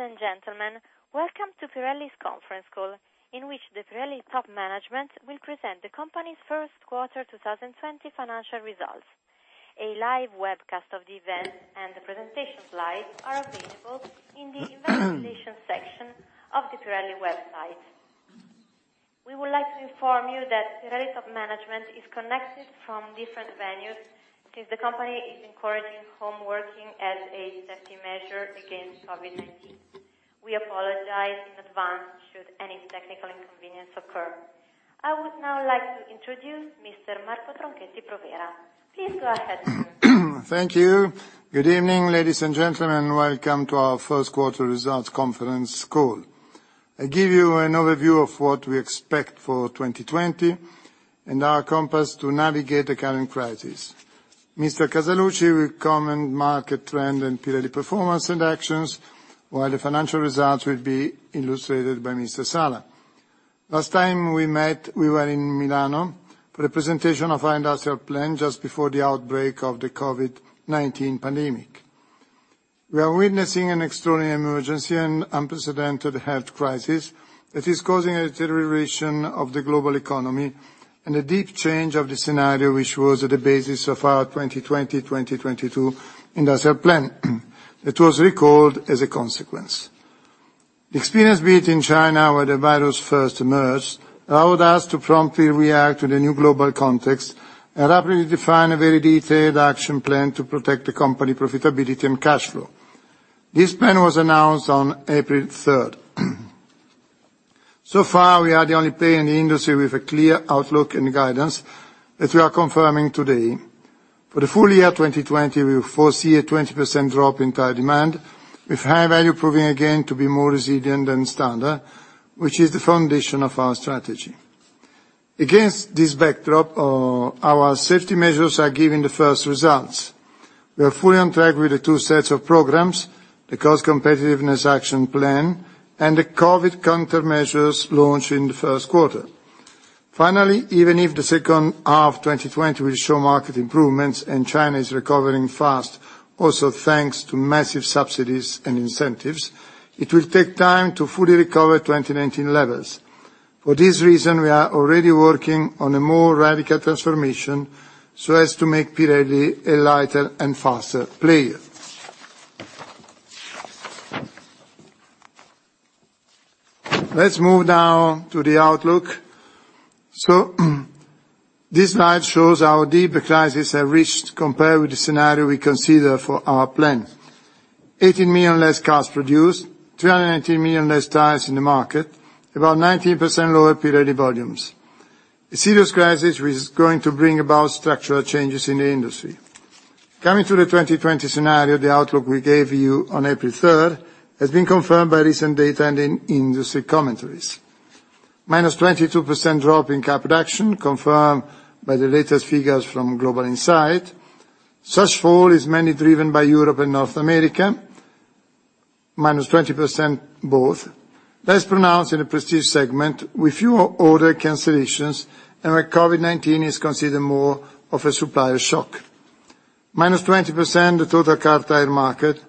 Ladies and gentlemen, welcome to Pirelli's conference call, in which the Pirelli top management will present the company's first quarter 2020 financial results. A live webcast of the event and the presentation slides are available in the event presentation section of the Pirelli website. We would like to inform you that Pirelli top management is connected from different venues, since the company is encouraging home working as a safety measure against COVID-19. We apologize in advance should any technical inconvenience occur. I would now like to introduce Mr. Marco Tronchetti Provera. Please go ahead, sir. Thank you. Good evening, ladies and gentlemen, welcome to our first quarter results conference call. I give you an overview of what we expect for 2020 and our compass to navigate the current crisis. Mr. Casaluci will comment market trend and Pirelli performance and actions, while the financial results will be illustrated by Mr. Sala. Last time we met, we were in Milano for the presentation of our industrial plan, just before the outbreak of the COVID-19 pandemic. We are witnessing an extraordinary emergency and unprecedented health crisis that is causing a deterioration of the global economy and a deep change of the scenario, which was at the basis of our 2020, 2022 industrial plan. It was recalled as a consequence. The experience built in China, where the virus first emerged, allowed us to promptly react to the new global context and rapidly define a very detailed action plan to protect the company profitability and cash flow. This plan was announced on April 3rd. So far, we are the only player in the industry with a clear outlook and guidance that we are confirming today. For the full year 2020, we foresee a 20% drop in tire demand, with High Value proving again to be more resilient than Standard, which is the foundation of our strategy. Against this backdrop, our safety measures are giving the first results. We are fully on track with the two sets of programs, the cost competitiveness action plan and the COVID countermeasures launched in the first quarter. Finally, even if the second half 2020 will show market improvements and China is recovering fast, also thanks to massive subsidies and incentives, it will take time to fully recover 2019 levels. For this reason, we are already working on a more radical transformation so as to make Pirelli a lighter and faster player. Let's move now to the outlook. So, this slide shows how deep the crisis have reached, compared with the scenario we consider for our plan. 18 million less cars produced, 380 million less tires in the market, about 19% lower Pirelli volumes. A serious crisis, which is going to bring about structural changes in the industry. Coming to the 2020 scenario, the outlook we gave you on April 3, has been confirmed by recent data and in industry commentaries. -22% drop in car production, confirmed by the latest figures from Global Insight. Such fall is mainly driven by Europe and North America, -20% both. Less pronounced in the prestige segment, with fewer order cancellations and where COVID-19 is considered more of a supplier shock. -20%, the total car tire market,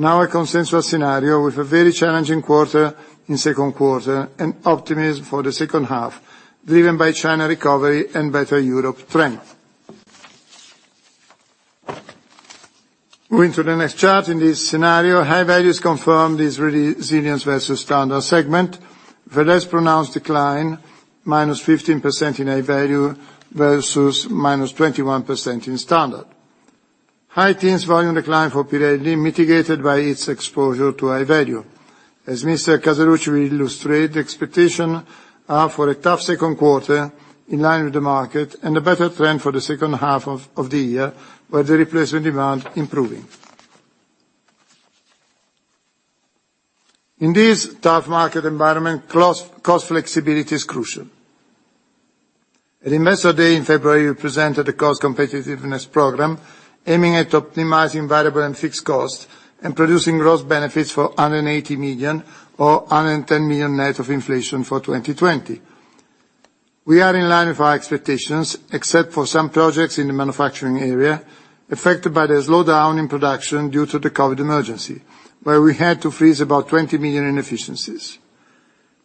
now a consensual scenario with a very challenging quarter in second quarter and optimism for the second half, driven by China recovery and better Europe trend. Moving to the next chart. In this scenario, High Value confirmed this resilience versus Standard segment, with less pronounced decline, -15% in High Value versus -21% in Standard. High teens volume decline for Pirelli, mitigated by its exposure to High Value. As Mr. Casaluci will illustrate the expectation for a tough second quarter in line with the market and a better trend for the second half of the year, where the replacement demand improving. In this tough market environment, cost flexibility is crucial. At Investor Day in February, we presented a cost competitiveness program aiming at optimizing variable and fixed costs and producing gross benefits of 180 million or 110 million net of inflation for 2020. We are in line with our expectations, except for some projects in the manufacturing area, affected by the slowdown in production due to the COVID emergency, where we had to freeze about 20 million in efficiencies.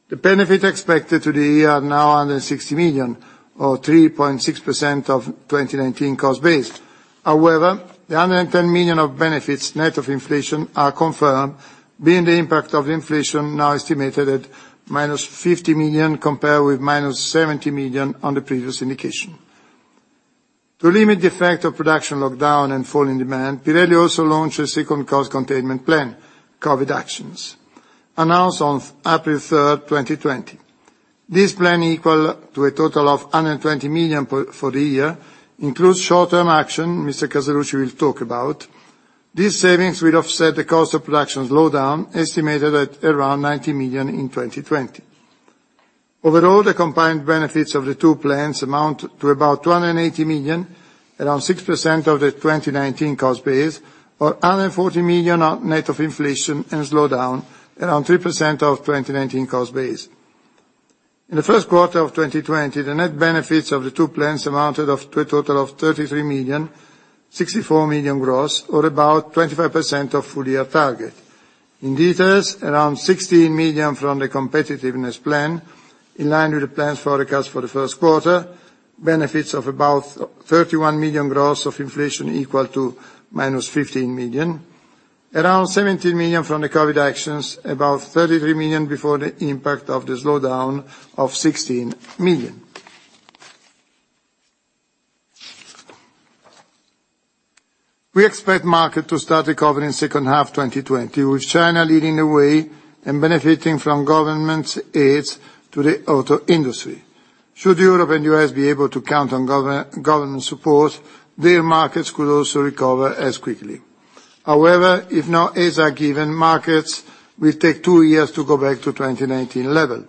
The benefit expected to the year are now under 60 million, or 3.6% of 2019 cost base. However, the 110 million of benefits, net of inflation, are confirmed, being the impact of inflation now estimated at -50 million, compared with -70 million on the previous indication. To limit the effect of production lockdown and fall in demand, Pirelli also launched a second cost containment plan, COVID actions, announced on April 3rd, 2020. This plan, equal to a total of 120 million for the year, includes short-term action Mr. Casaluci will talk about. These savings will offset the cost of production slowdown, estimated at around 90 million in 2020. Overall, the combined benefits of the two plans amount to about 280 million, around 6% of the 2019 cost base, or 140 million on net of inflation and slowdown, around 3% of 2019 cost base. In the first quarter of 2020, the net benefits of the two plans amounted to a total of 33 million, 64 million gross, or about 25% of full year target. In details, around 16 million from the competitiveness plan, in line with the plans forecast for the first quarter, benefits of about 31 million gross of inflation equal to -15 million. Around 17 million from the COVID-19 actions, about 33 million before the impact of the slowdown of 16 million. We expect market to start recovering in second half 2020, with China leading the way and benefiting from government aids to the auto industry. Should Europe and U.S. be able to count on government support, their markets could also recover as quickly. However, if no aids are given, markets will take 2 years to go back to 2019 level.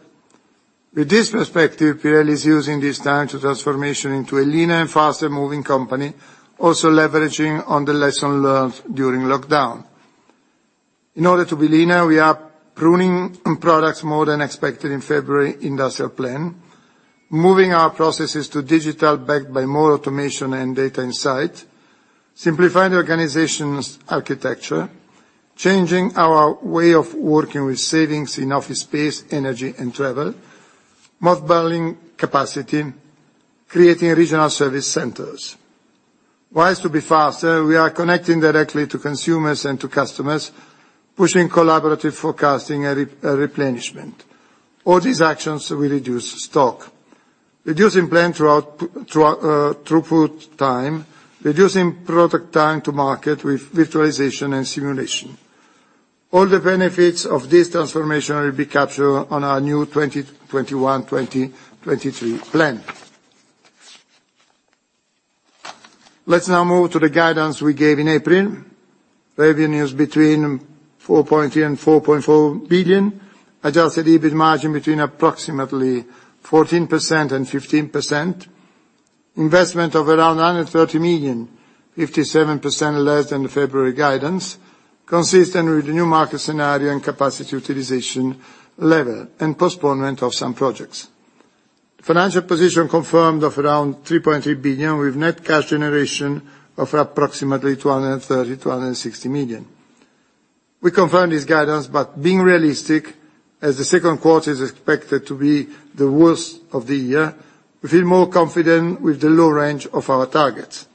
With this perspective, Pirelli is using this time to transformation into a leaner and faster-moving company, also leveraging on the lesson learned during lockdown. In order to be leaner, we are pruning products more than expected in February industrial plan, moving our processes to digital, backed by more automation and data insight, simplifying the organization's architecture, changing our way of working with savings in office space, energy, and travel, mothballing capacity, creating regional service centers. Ways to be faster, we are connecting directly to consumers and to customers, pushing collaborative forecasting and replenishment. All these actions will reduce stock. Reducing plant throughput time, reducing product time to market with virtualization and simulation. All the benefits of this transformation will be captured on our new 2021, 2023 plan. Let's now move to the guidance we gave in April. Revenues between 4.3 billion and 4.4 billion. Adjusted EBIT margin between approximately 14% and 15%. Investment of around 930 million, 57% less than the February guidance, consistent with the new market scenario and capacity utilization level, and postponement of some projects. Financial position confirmed of around 3.3 billion, with net cash generation of approximately 230 million-260 million. We confirm this guidance, but being realistic, as the second quarter is expected to be the worst of the year, we feel more confident with the low range of our targets.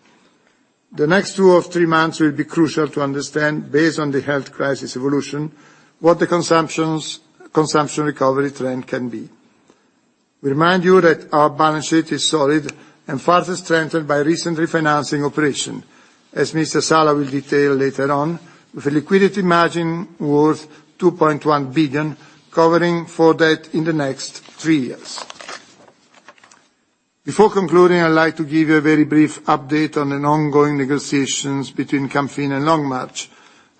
The next two or three months will be crucial to understand, based on the health crisis evolution, what the consumption recovery trend can be. We remind you that our balance sheet is solid and further strengthened by recent refinancing operation. As Mr. Sala will detail later on, with a liquidity margin worth 2.1 billion, covering for that in the next three years. Before concluding, I'd like to give you a very brief update on an ongoing negotiations between Camfin and Longmarch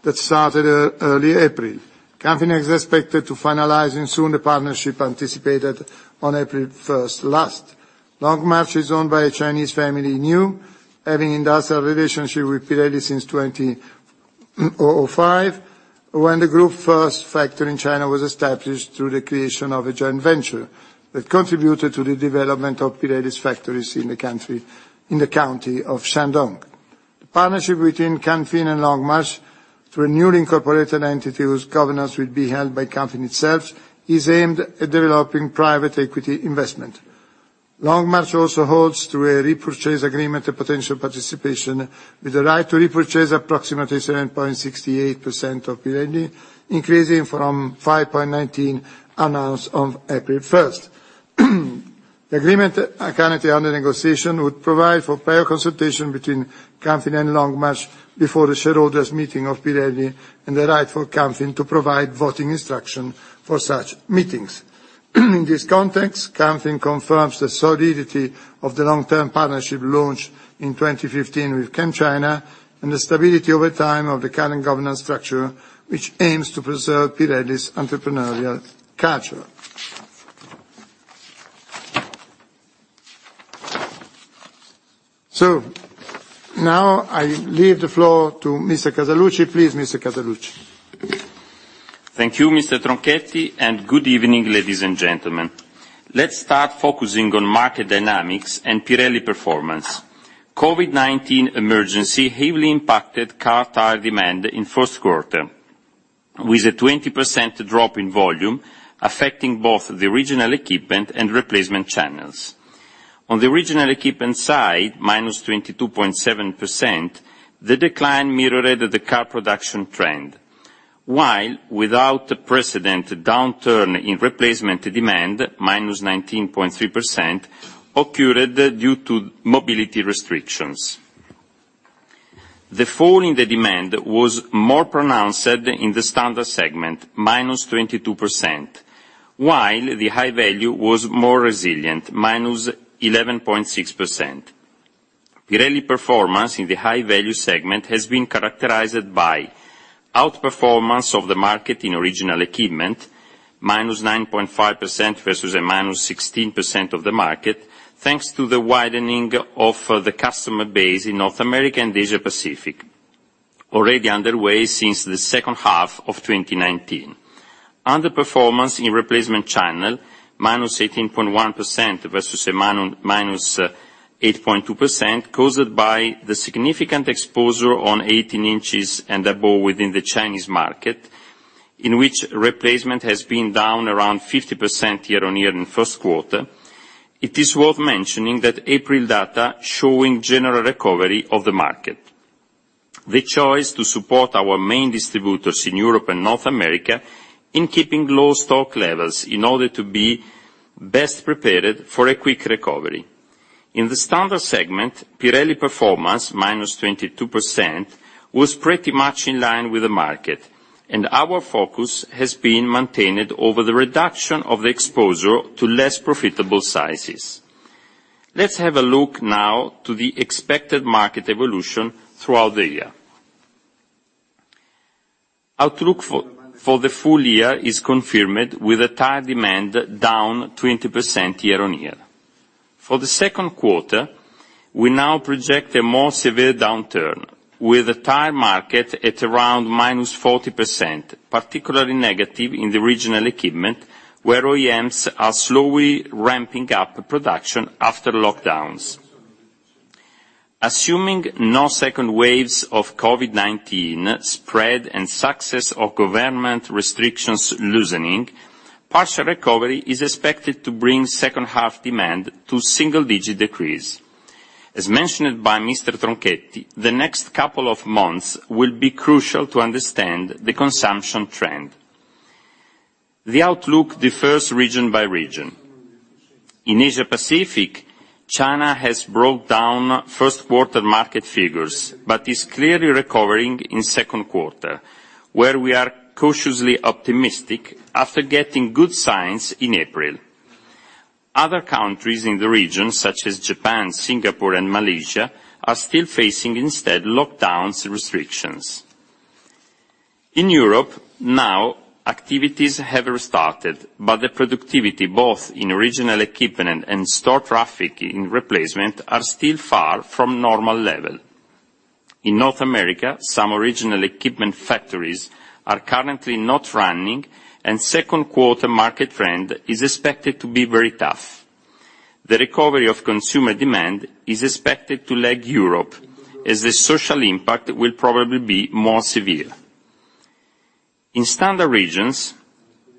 that started early April. Camfin is expected to finalizing soon the partnership anticipated on April 1 last. Longmarch is owned by a Chinese family, Niu, having industrial relationship with Pirelli since 2005, when the group first factory in China was established through the creation of a joint venture, that contributed to the development of Pirelli's factories in the country, in the county of Shandong. The partnership between Camfin and Longmarch, through a newly incorporated entity whose governance will be held by Camfin itself, is aimed at developing private equity investment. Longmarch also holds, through a repurchase agreement, a potential participation with the right to repurchase approximately 7.68% of Pirelli, increasing from 5.19%, announced on April 1st. The agreement, currently under negotiation, would provide for prior consultation between Camfin and Longmarch before the shareholders' meeting of Pirelli, and the right for Camfin to provide voting instruction for such meetings. In this context, Camfin confirms the solidity of the long-term partnership launched in 2015 with ChemChina, and the stability over time of the current governance structure, which aims to preserve Pirelli's entrepreneurial culture. So now I leave the floor to Mr. Casaluci. Please, Mr. Casaluci. Thank you, Mr. Tronchetti, and good evening, ladies and gentlemen. Let's start focusing on market dynamics and Pirelli performance. COVID-19 emergency heavily impacted car tire demand in first quarter, with a 20% drop in volume affecting both the original equipment and replacement channels. On the original equipment side, -22.7%, the decline mirrored the car production trend, while without the precedent downturn in replacement demand, -19.3%, occurred due to mobility restrictions. The fall in the demand was more pronounced in the standard segment, -22%, while the high value was more resilient, -11.6%. Pirelli performance in the high-value segment has been characterized by outperformance of the market in original equipment, -9.5% versus a -16% of the market, thanks to the widening of the customer base in North America and Asia Pacific. Already underway since the second half of 2019. Underperformance in replacement channel, -18.1% versus a -8.2%, caused by the significant exposure on 18 inches and above within the Chinese market, in which replacement has been down around 50% year-on-year in first quarter. It is worth mentioning that April data showing general recovery of the market. The choice to support our main distributors in Europe and North America in keeping low stock levels in order to be best prepared for a quick recovery. In the standard segment, Pirelli performance, -22%, was pretty much in line with the market, and our focus has been maintained over the reduction of the exposure to less profitable sizes. Let's have a look now to the expected market evolution throughout the year. Outlook for the full year is confirmed, with tire demand down 20% year-on-year. For the second quarter, we now project a more severe downturn, with the tire market at around -40%, particularly negative in the original equipment, where OEMs are slowly ramping up production after lockdowns. Assuming no second waves of COVID-19 spread and success of government restrictions loosening, partial recovery is expected to bring second half demand to single-digit decrease. As mentioned by Mr. Tronchetti, the next couple of months will be crucial to understand the consumption trend. The outlook differs region by region. In Asia Pacific, China has brought down first quarter market figures, but is clearly recovering in second quarter, where we are cautiously optimistic after getting good signs in April. Other countries in the region, such as Japan, Singapore, and Malaysia, are still facing instead lockdown restrictions. In Europe, now, activities have restarted, but the productivity, both in original equipment and store traffic in replacement, are still far from normal level. In North America, some original equipment factories are currently not running, and second quarter market trend is expected to be very tough. The recovery of consumer demand is expected to lag Europe, as the social impact will probably be more severe. In standard regions,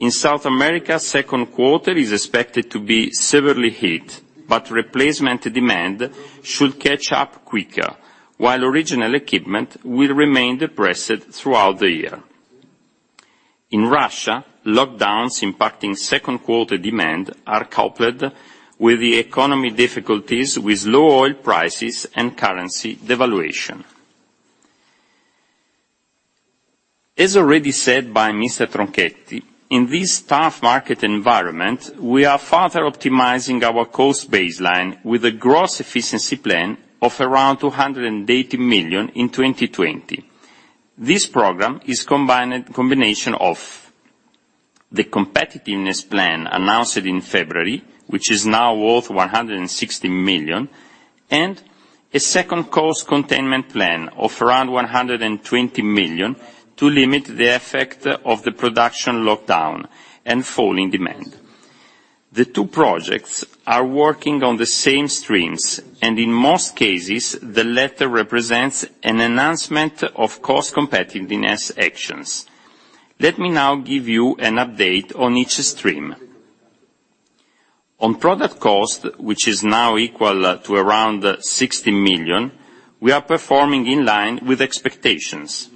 in South America, second quarter is expected to be severely hit, but replacement demand should catch up quicker, while original equipment will remain depressed throughout the year. In Russia, lockdowns impacting second quarter demand are coupled with the economy difficulties, with low oil prices and currency devaluation. As already said by Mr. Tronchetti, in this tough market environment, we are further optimizing our cost baseline with a gross efficiency plan of around 280 million in 2020. This program is combined, combination of the competitiveness plan announced in February, which is now worth 160 million, and a second cost containment plan of around 120 million to limit the effect of the production lockdown and falling demand. The two projects are working on the same streams, and in most cases, the latter represents an enhancement of cost competitiveness actions. Let me now give you an update on each stream. On product cost, which is now equal to around 60 million, we are performing in line with expectations,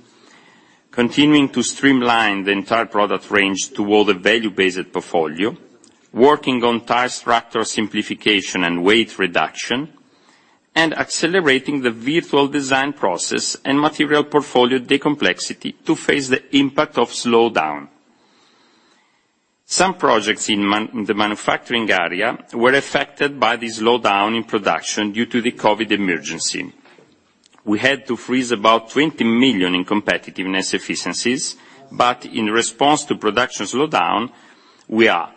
continuing to streamline the entire product range toward a value-based portfolio, working on tire structure simplification and weight reduction, and accelerating the virtual design process and material portfolio decomplexity to face the impact of slowdown. Some projects in the manufacturing area were affected by the slowdown in production due to the COVID emergency. We had to freeze about 20 million in competitiveness efficiencies, but in response to production slowdown, we are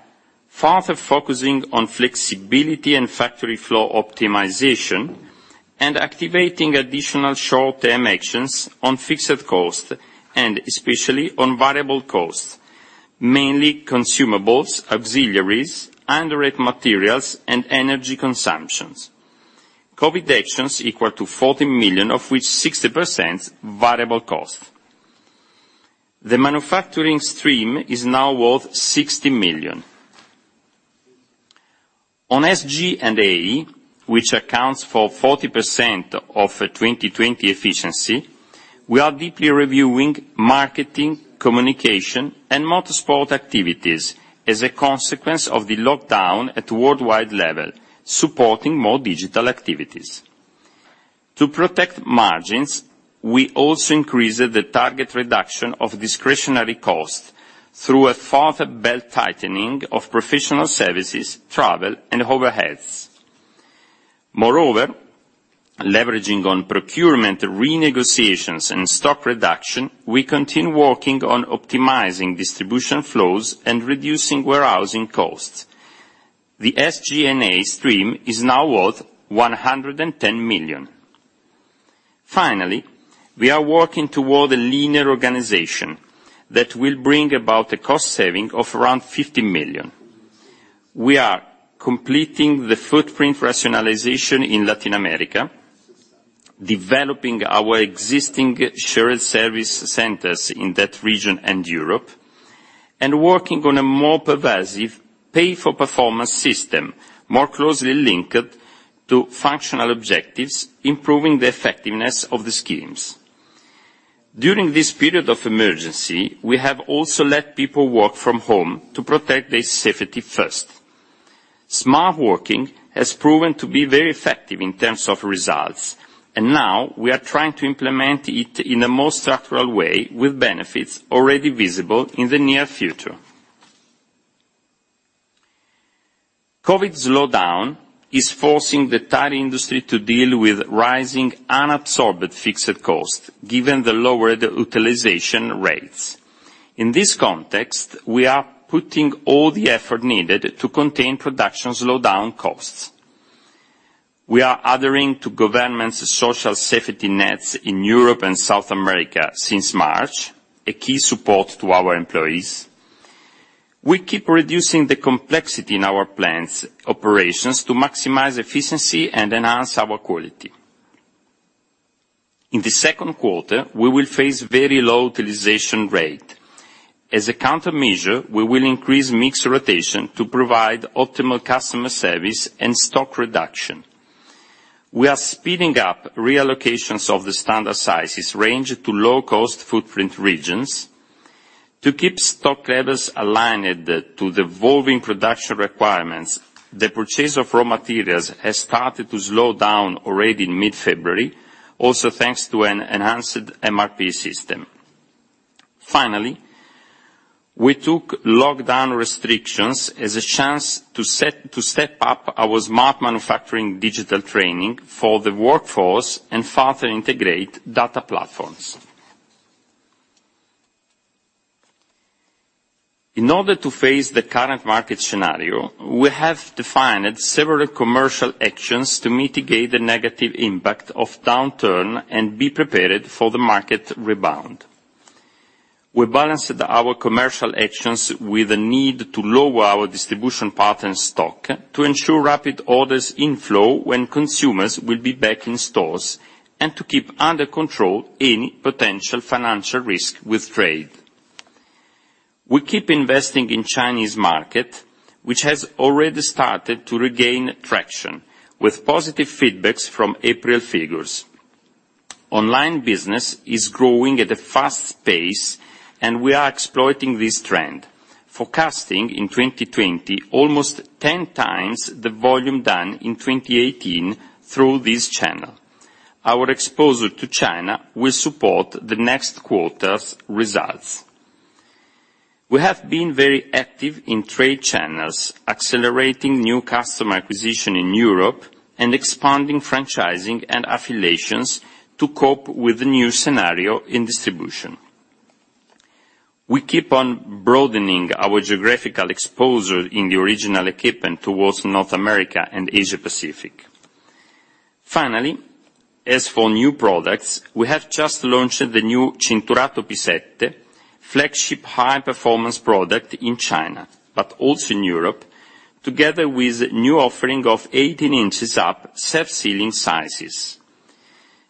further focusing on flexibility and factory flow optimization, and activating additional short-term actions on fixed cost, and especially on variable costs, mainly consumables, auxiliaries, raw materials, and energy consumptions. COVID actions equal to 40 million, of which 60% variable cost. The manufacturing stream is now worth 60 million. On SG&A, which accounts for 40% of the 2020 efficiency, we are deeply reviewing marketing, communication, and motorsport activities as a consequence of the lockdown at worldwide level, supporting more digital activities. To protect margins, we also increased the target reduction of discretionary costs through a further belt tightening of professional services, travel, and overheads. Moreover, leveraging on procurement renegotiations and stock reduction, we continue working on optimizing distribution flows and reducing warehousing costs. The SG&A stream is now worth 110 million. Finally, we are working toward a linear organization that will bring about a cost saving of around 50 million. We are completing the footprint rationalization in Latin America, developing our existing shared service centers in that region and Europe, and working on a more pervasive pay-for-performance system, more closely linked to functional objectives, improving the effectiveness of the schemes. During this period of emergency, we have also let people work from home to protect their safety first. Smart Working has proven to be very effective in terms of results, and now we are trying to implement it in a more structural way, with benefits already visible in the near future. COVID slowdown is forcing the tire industry to deal with rising unabsorbed fixed costs, given the lowered utilization rates. In this context, we are putting all the effort needed to contain production slowdown costs. We are adhering to government's social safety nets in Europe and South America since March, a key support to our employees. We keep reducing the complexity in our plants' operations to maximize efficiency and enhance our quality. In the second quarter, we will face very low utilization rate. As a countermeasure, we will increase mix rotation to provide optimal customer service and stock reduction. We are speeding up reallocations of the standard sizes range to low-cost footprint regions. To keep stock levels aligned to the evolving production requirements, the purchase of raw materials has started to slow down already in mid-February, also thanks to an enhanced MRP system. Finally, we took lockdown restrictions as a chance to step up our smart manufacturing digital training for the workforce and further integrate data platforms. In order to face the current market scenario, we have defined several commercial actions to mitigate the negative impact of downturn and be prepared for the market rebound. We balanced our commercial actions with the need to lower our distribution partner stock, to ensure rapid orders inflow when consumers will be back in stores, and to keep under control any potential financial risk with trade. We keep investing in Chinese market, which has already started to regain traction, with positive feedbacks from April figures. Online business is growing at a fast pace, and we are exploiting this trend, forecasting in 2020, almost 10x the volume done in 2018 through this channel. Our exposure to China will support the next quarter's results. We have been very active in trade channels, accelerating new customer acquisition in Europe, and expanding franchising and affiliations to cope with the new scenario in distribution. We keep on broadening our geographical exposure in the original equipment towards North America and Asia Pacific. Finally, as for new products, we have just launched the new Cinturato P7, flagship high-performance product in China, but also in Europe, together with new offering of 18 inches up self-sealing sizes.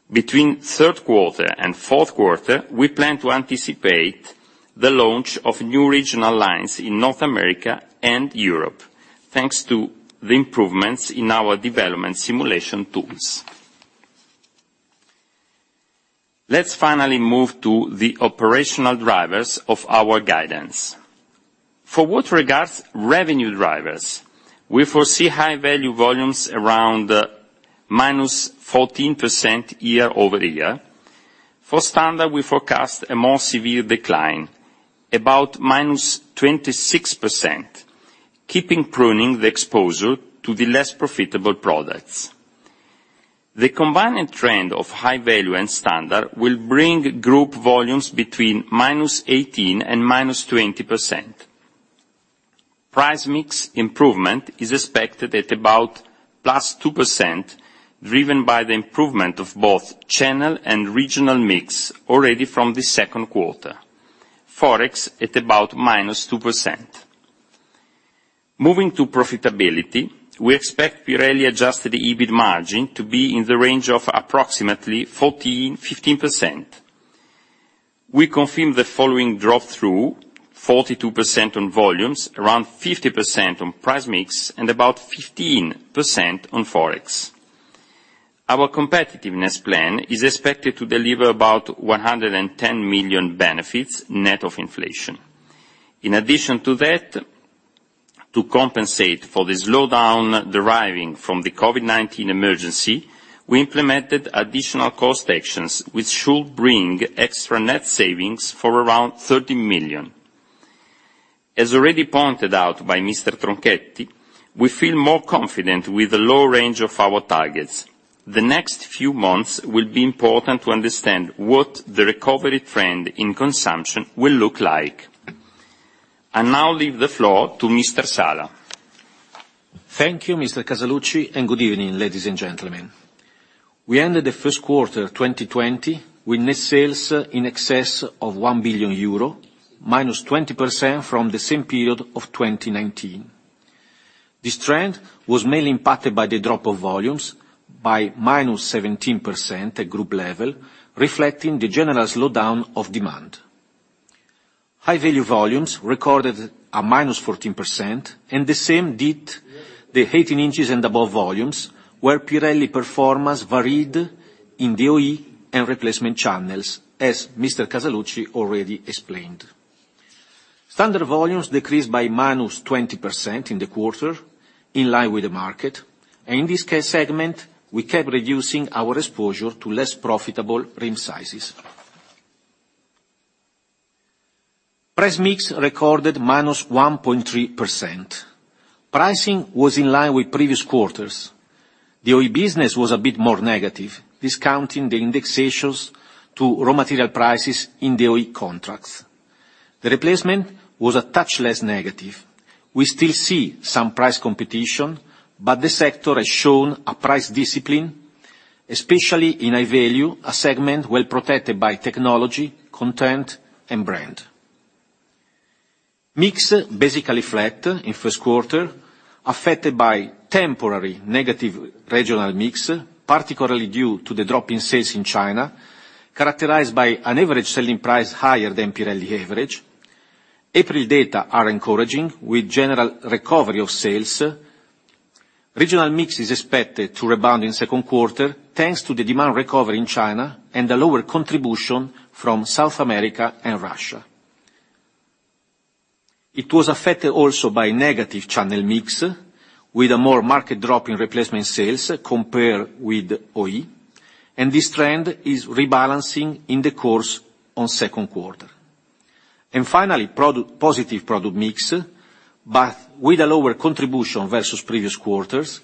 Between third quarter and fourth quarter, we plan to anticipate the launch of new regional lines in North America and Europe, thanks to the improvements in our development simulation tools. Let's finally move to the operational drivers of our guidance. For what regards revenue drivers, we foresee high-value volumes around -14% year-over-year. For Standard, we forecast a more severe decline, about -26%, keeping pruning the exposure to the less profitable products. The combined trend of High Value and Standard will bring group volumes between -18% and -20%. Price mix improvement is expected at about +2%, driven by the improvement of both channel and regional mix already from the second quarter. Forex at about -2%. Moving to profitability, we expect Pirelli Adjusted EBIT Margin to be in the range of approximately 14%-15%. We confirm the following drop-through, 42% on volumes, around 50% on price mix, and about 15% on Forex. Our competitiveness plan is expected to deliver about 110 million benefits, net of inflation. In addition to that, to compensate for the slowdown deriving from the COVID-19 emergency, we implemented additional cost actions, which should bring extra net savings for around 30 million. As already pointed out by Mr. Tronchetti, we feel more confident with the low range of our targets. The next few months will be important to understand what the recovery trend in consumption will look like. I now leave the floor to Mr. Sala. Thank you, Mr. Casaluci, and good evening, ladies and gentlemen. We ended the first quarter of 2020 with net sales in excess of 1 billion euro, -20% from the same period of 2019. This trend was mainly impacted by the drop of volumes by -17% at group level, reflecting the general slowdown of demand. High-value volumes recorded a -14%, and the same did the 18 inches and above volumes, where Pirelli performance varied in the OE and replacement channels, as Mr. Casaluci already explained. Standard volumes decreased by -20% in the quarter, in line with the market, and in this segment, we kept reducing our exposure to less profitable rim sizes. Price mix recorded -1.3%. Pricing was in line with previous quarters. The OE business was a bit more negative, discounting the indexations to raw material prices in the OE contracts. The replacement was a touch less negative. We still see some price competition, but the sector has shown a price discipline, especially in High Value, a segment well-protected by technology, content, and brand. Mix basically flat in first quarter, affected by temporary negative regional mix, particularly due to the drop in sales in China, characterized by an average selling price higher than Pirelli average. April data are encouraging, with general recovery of sales. Regional mix is expected to rebound in second quarter, thanks to the demand recovery in China and a lower contribution from South America and Russia. It was affected also by negative channel mix, with a more marked drop in replacement sales compared with OE, and this trend is rebalancing in the course of second quarter. And finally, product, positive product mix, but with a lower contribution versus previous quarters,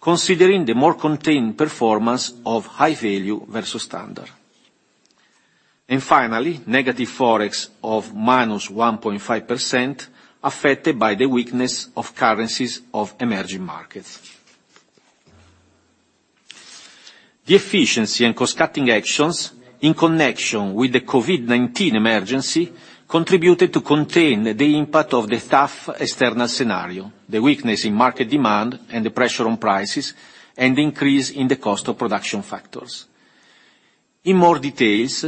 considering the more contained performance of High Value versus Standard. And finally, negative Forex of -1.5%, affected by the weakness of currencies of emerging markets. The efficiency and cost-cutting actions in connection with the COVID-19 emergency contributed to contain the impact of the tough external scenario, the weakness in market demand and the pressure on prices, and the increase in the cost of production factors. In more details,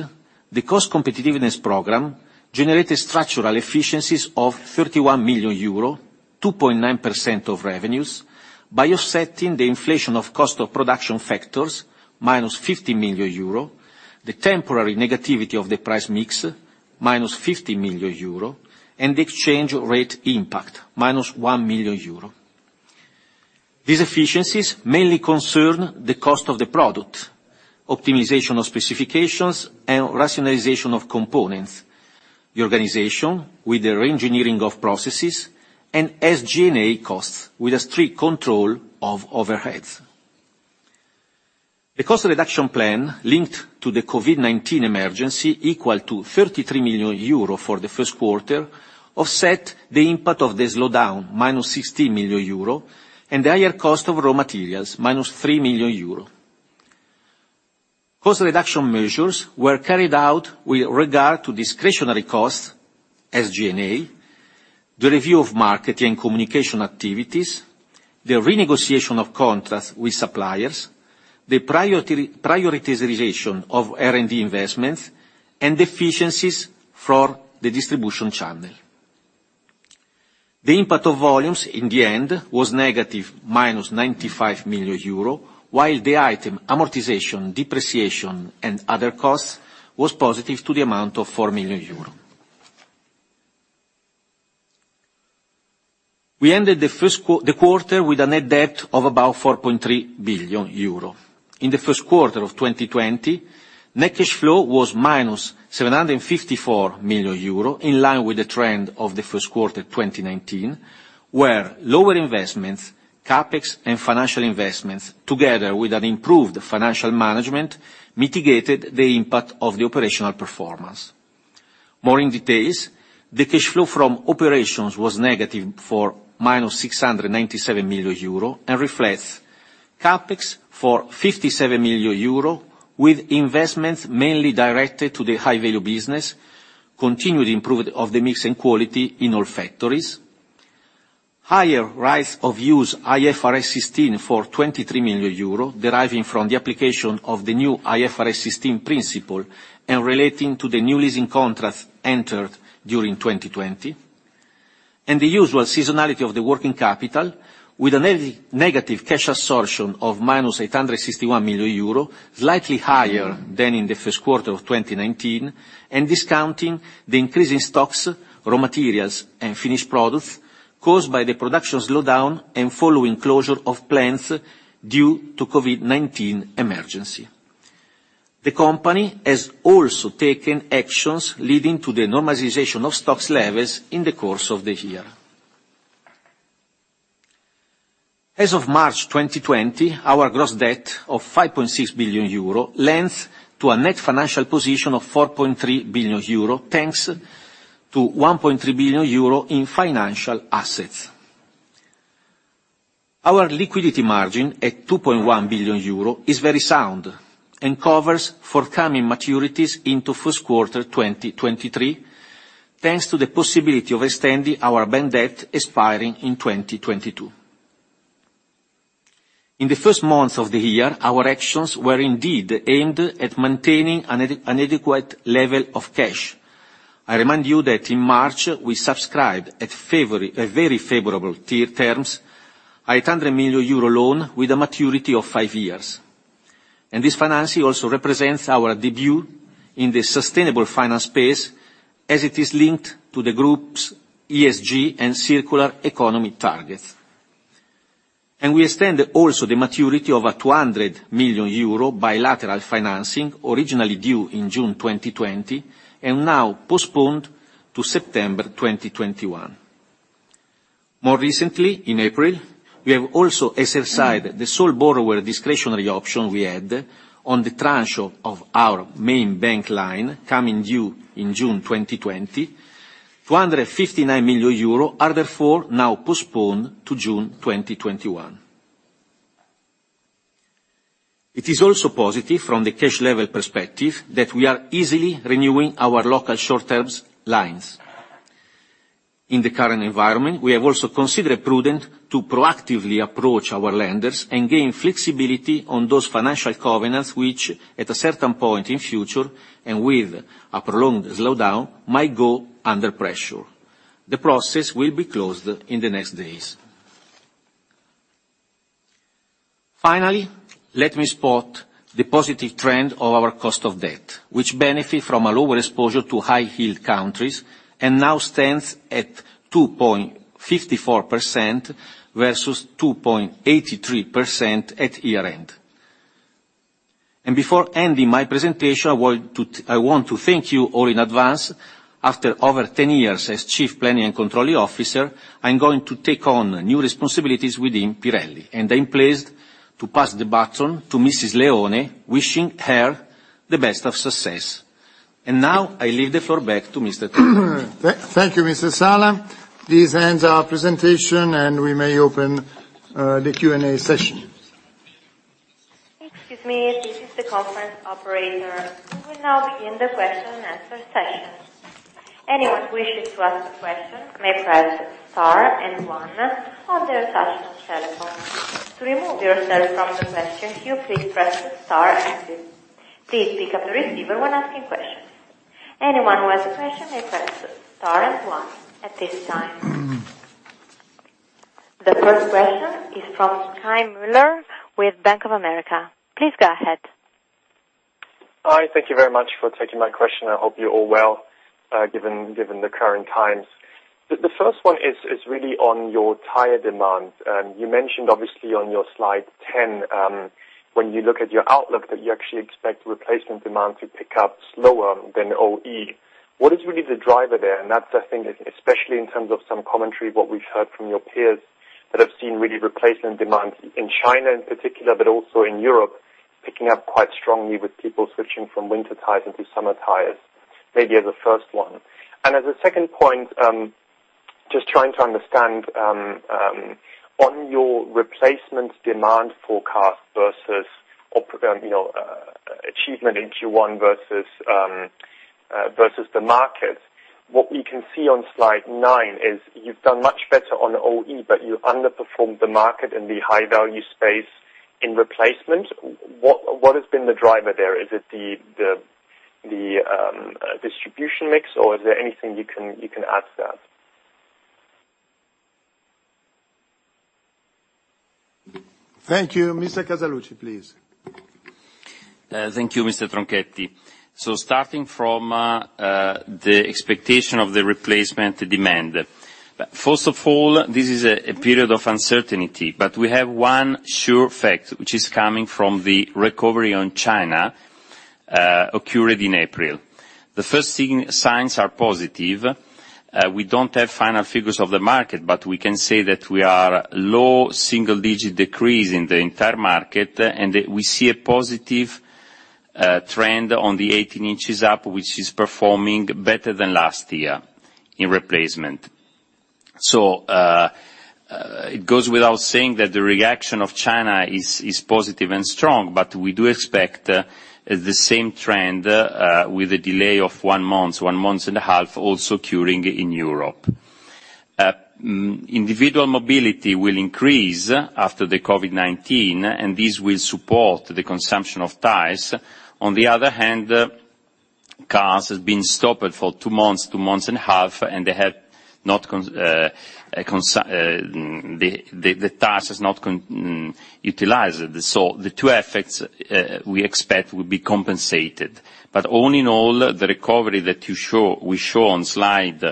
the cost competitiveness program generated structural efficiencies of 31 million euro, 2.9% of revenues, by offsetting the inflation of cost of production factors, -50 million euro, the temporary negativity of the price mix, -50 million euro, and the exchange rate impact, -1 million euro. These efficiencies mainly concern the cost of the product, optimization of specifications, and rationalization of components, the organization with the reengineering of processes, and SG&A costs with a strict control of overheads. The cost reduction plan linked to the COVID-19 emergency, equal to 33 million euro for the first quarter, offset the impact of the slowdown (-16 million euro), and the higher cost of raw materials (-3 million euro). Cost reduction measures were carried out with regard to discretionary costs, SG&A, the review of marketing communication activities, the renegotiation of contracts with suppliers, the prioritization of R&D investments, and efficiencies for the distribution channel. The impact of volumes in the end was negative (-95 million euro), while the item amortization, depreciation, and other costs was positive to the amount of 4 million euros. We ended the first quarter with a net debt of about 4.3 billion euro. In the first quarter of 2020, net cash flow was minus 754 million euro, in line with the trend of the first quarter 2019, where lower investments, CapEx and financial investments, together with an improved financial management, mitigated the impact of the operational performance. More in details, the cash flow from operations was negative for minus 697 million euro, and reflects CapEx for 57 million euro, with investments mainly directed to the high-value business, continued improvement of the mix and quality in all factories, higher rights of use IFRS 16 for 23 million euro, deriving from the application of the new IFRS 16 principle and relating to the new leasing contracts entered during 2020. The usual seasonality of the working capital, with a negative cash absorption of -861 million euro, slightly higher than in the first quarter of 2019, and discounting the increase in stocks, raw materials, and finished products caused by the production slowdown and following closure of plants due to COVID-19 emergency. The company has also taken actions leading to the normalization of stock levels in the course of the year. As of March 2020, our gross debt of 5.6 billion euro leads to a net financial position of 4.3 billion euro, thanks to 1.3 billion euro in financial assets. Our liquidity margin, at 2.1 billion euro, is very sound and covers forthcoming maturities into first quarter 2023, thanks to the possibility of extending our bank debt expiring in 2022. In the first months of the year, our actions were indeed aimed at maintaining an adequate level of cash. I remind you that in March, we subscribed at very favorable terms, a 100 million euro loan with a maturity of five years. This financing also represents our debut in the sustainable finance space, as it is linked to the group's ESG and circular economy targets. We extend also the maturity of a 200 million euro bilateral financing, originally due in June 2020, and now postponed to September 2021. More recently, in April, we have also exercised the sole borrower discretionary option we had on the tranche of our main bank line, coming due in June 2020. 259 million euro are therefore now postponed to June 2021. It is also positive, from the cash level perspective, that we are easily renewing our local short terms lines. In the current environment, we have also considered it prudent to proactively approach our lenders and gain flexibility on those financial covenants, which, at a certain point in future, and with a prolonged slowdown, might go under pressure. The process will be closed in the next days. Finally, let me spot the positive trend of our cost of debt, which benefit from a lower exposure to high-yield countries, and now stands at 2.54% versus 2.83% at year-end. Before ending my presentation, I want to thank you all in advance. After over 10 years as Chief Planning and Controlling Officer, I'm going to take on new responsibilities within Pirelli, and I'm pleased to pass the baton to Mrs. Leone, wishing her the best of success. And now, I leave the floor back to Mr. Tronchetti. Thank you, Mr. Sala. This ends our presentation, and we may open the Q&A session. Excuse me, this is the conference operator. We will now begin the question and answer session. Anyone wishing to ask a question may press star and one on their touchtone telephone. To remove yourself from the question queue, please press star and six. Please pick up the receiver when asking questions. Anyone who has a question may press star and one at this time. The first question is from Kai Mueller with Bank of America. Please go ahead. Hi, thank you very much for taking my question. I hope you're all well, given the current times. The first one is really on your tire demand. You mentioned, obviously, on your slide 10, when you look at your outlook, that you actually expect replacement demand to pick up slower than OE. What is really the driver there? And that's, I think, especially in terms of some commentary, what we've heard from your peers, that have seen really replacement demand in China, in particular, but also in Europe, picking up quite strongly with people switching from winter tires into summer tires. Maybe as a first one. And as a second point, just trying to understand, on your replacement demand forecast versus or, you know, achievement in Q1 versus, versus the market. What we can see on slide 9 is you've done much better on OE, but you underperformed the market in the High Value space in Replacement. What has been the driver there? Is it the distribution mix, or is there anything you can add to that? Thank you. Mr. Casaluci, please. Thank you, Mr. Tronchetti. So starting from the expectation of the replacement demand. First of all, this is a period of uncertainty, but we have one sure fact, which is coming from the recovery in China occurred in April. The first signs are positive. We don't have final figures of the market, but we can say that we are low single-digit decrease in the entire market, and that we see a positive trend on the 18 inches up, which is performing better than last year in Replacement. So it goes without saying that the reaction of China is positive and strong, but we do expect the same trend with a delay of one month, one month and a half, also occurring in Europe. Individual mobility will increase after the COVID-19, and this will support the consumption of tires. On the other hand, cars has been stopped for 2 months, 2 months and a half, and they have not consumed. The tires has not been utilized. So the two effects we expect will be compensated. But all in all, the recovery that we show on slide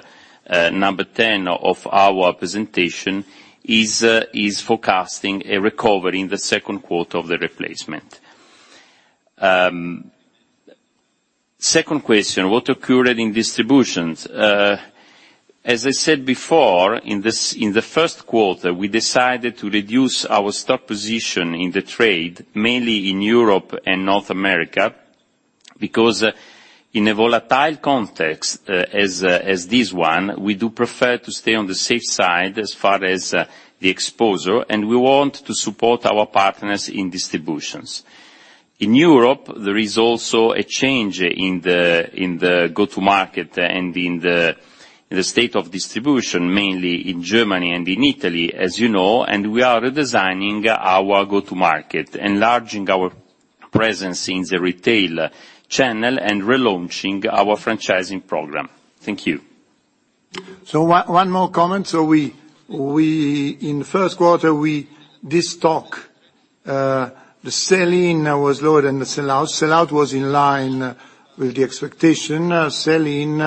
number 10 of our presentation is forecasting a recovery in the second quarter of the replacement. Second question, what occurred in distributions? As I said before, in this, in the first quarter, we decided to reduce our stock position in the trade, mainly in Europe and North America, because, in a volatile context, as this one, we do prefer to stay on the safe side as far as, the exposure, and we want to support our partners in distributions. In Europe, there is also a change in the, in the go-to-market and in the, the state of distribution, mainly in Germany and in Italy, as you know, and we are redesigning our go-to-market, enlarging our presence in the retail channel and relaunching our franchising program. Thank you. So, one more comment. In the first quarter, we, this stock, the sell-in was lower than the sell-out. Sell-out was in line with the expectation. Sell-in,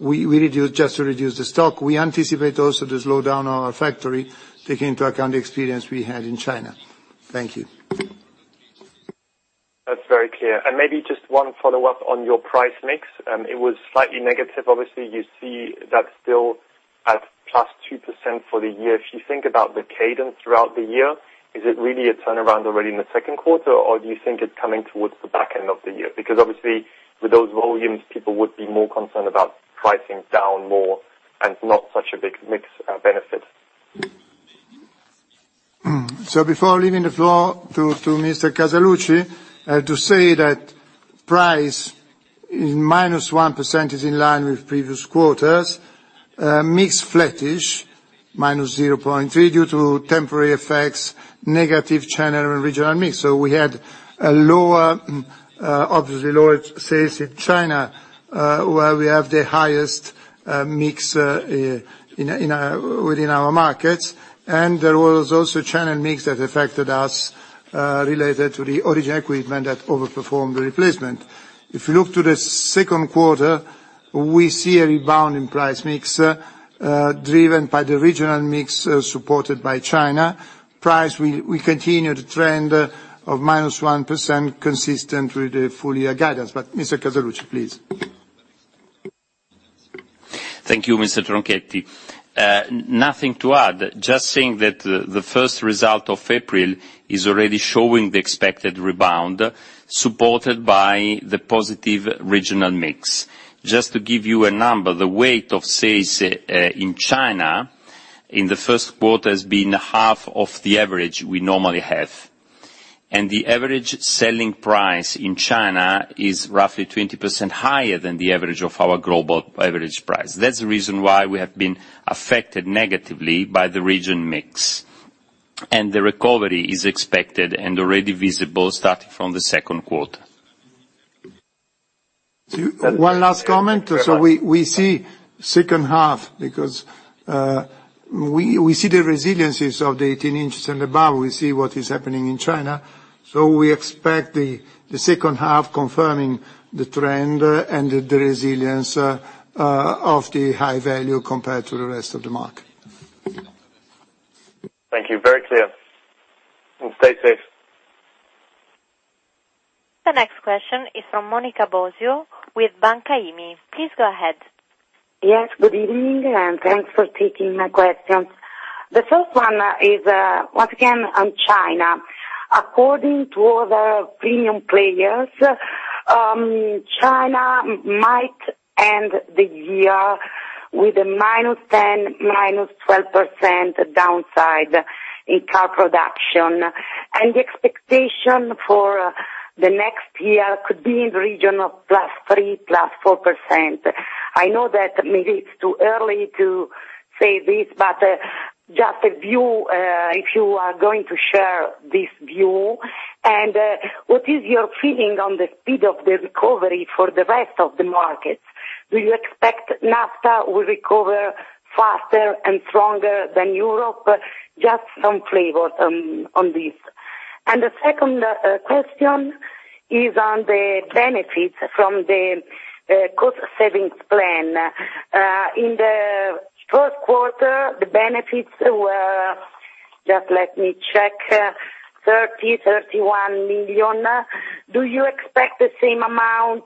we reduced just to reduce the stock. We anticipate also to slow down our factory, taking into account the experience we had in China. Thank you. That's very clear. And maybe just one follow-up on your price mix. It was slightly negative. Obviously, you see that still at +2% for the year. If you think about the cadence throughout the year, is it really a turnaround already in the second quarter, or do you think it's coming towards the back end of the year? Because obviously, with those volumes, people would be more concerned about pricing down more and not such a big mix benefit. So before leaving the floor to Mr. Casaluci, to say that price in -1% is in line with previous quarters. Mix flattish, -0.3%, due to temporary effects, negative channel and regional mix. So we had a lower, obviously lower sales in China, where we have the highest mix in our markets. And there was also channel mix that affected us, related to the original equipment that overperformed the replacement. If you look to the second quarter, we see a rebound in price mix, driven by the regional mix, supported by China. Price, we continue the trend of -1%, consistent with the full year guidance. But Mr. Casaluci, please. Thank you, Mr. Tronchetti. Nothing to add, just saying that the first result of April is already showing the expected rebound, supported by the positive regional mix. Just to give you a number, the weight of sales in China in the first quarter has been half of the average we normally have, and the average selling price in China is roughly 20% higher than the average of our global average price. That's the reason why we have been affected negatively by the region mix, and the recovery is expected and already visible starting from the second quarter. One last comment. So we see second half, because we see the resiliencies of the 18 inches and above, we see what is happening in China, so we expect the second half confirming the trend, and the resilience of the high value compared to the rest of the market. Thank you. Very clear. Stay safe. The next question is from Monica Bosio with Banca IMI. Please go ahead. Yes, good evening, and thanks for taking my questions. The first one is, once again on China. According to other premium players, China might end the year with a -10%, -12% downside in car production, and the expectation for the next year could be in the region of +3% to +4%. I know that maybe it's too early to say this, but, just a view, if you are going to share this view, and, what is your feeling on the speed of the recovery for the rest of the markets? Do you expect NAFTA will recover faster and stronger than Europe? Just some flavor on, on this. And the second, question is on the benefits from the, cost savings plan. In the first quarter, the benefits were, just let me check, 31 million. Do you expect the same amount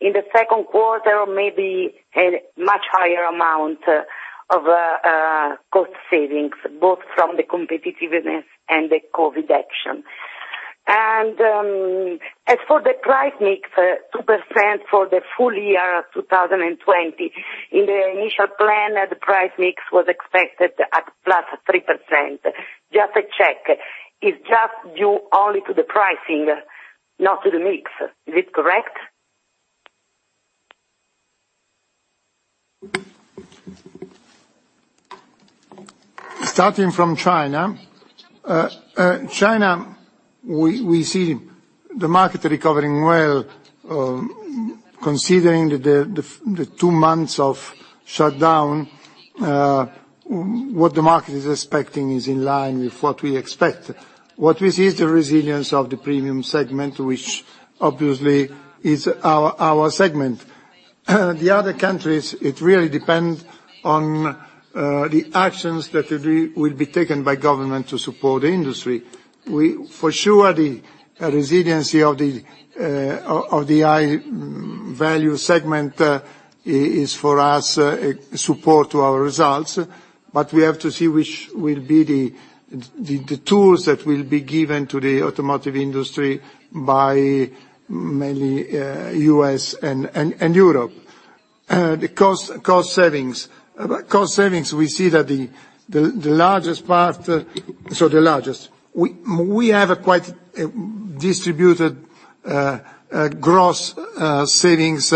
in the second quarter, or maybe a much higher amount of cost savings, both from the competitiveness and the COVID action? And as for the price mix, 2% for the full year of 2020, in the initial plan, the price mix was expected at +3%. Just to check, it's just due only to the pricing, not to the mix. Is this correct? Starting from China, China, we see the market recovering well, considering the two months of shutdown, what the market is expecting is in line with what we expect. What we see is the resilience of the premium segment, which obviously is our segment. The other countries, it really depends on the actions that will be taken by government to support the industry. We for sure, the resiliency of the high value segment is for us support to our results, but we have to see which will be the tools that will be given to the automotive industry by mainly U.S. and Europe. The cost savings. Cost savings, we see that the largest part, so the largest—we have a quite distributed gross savings.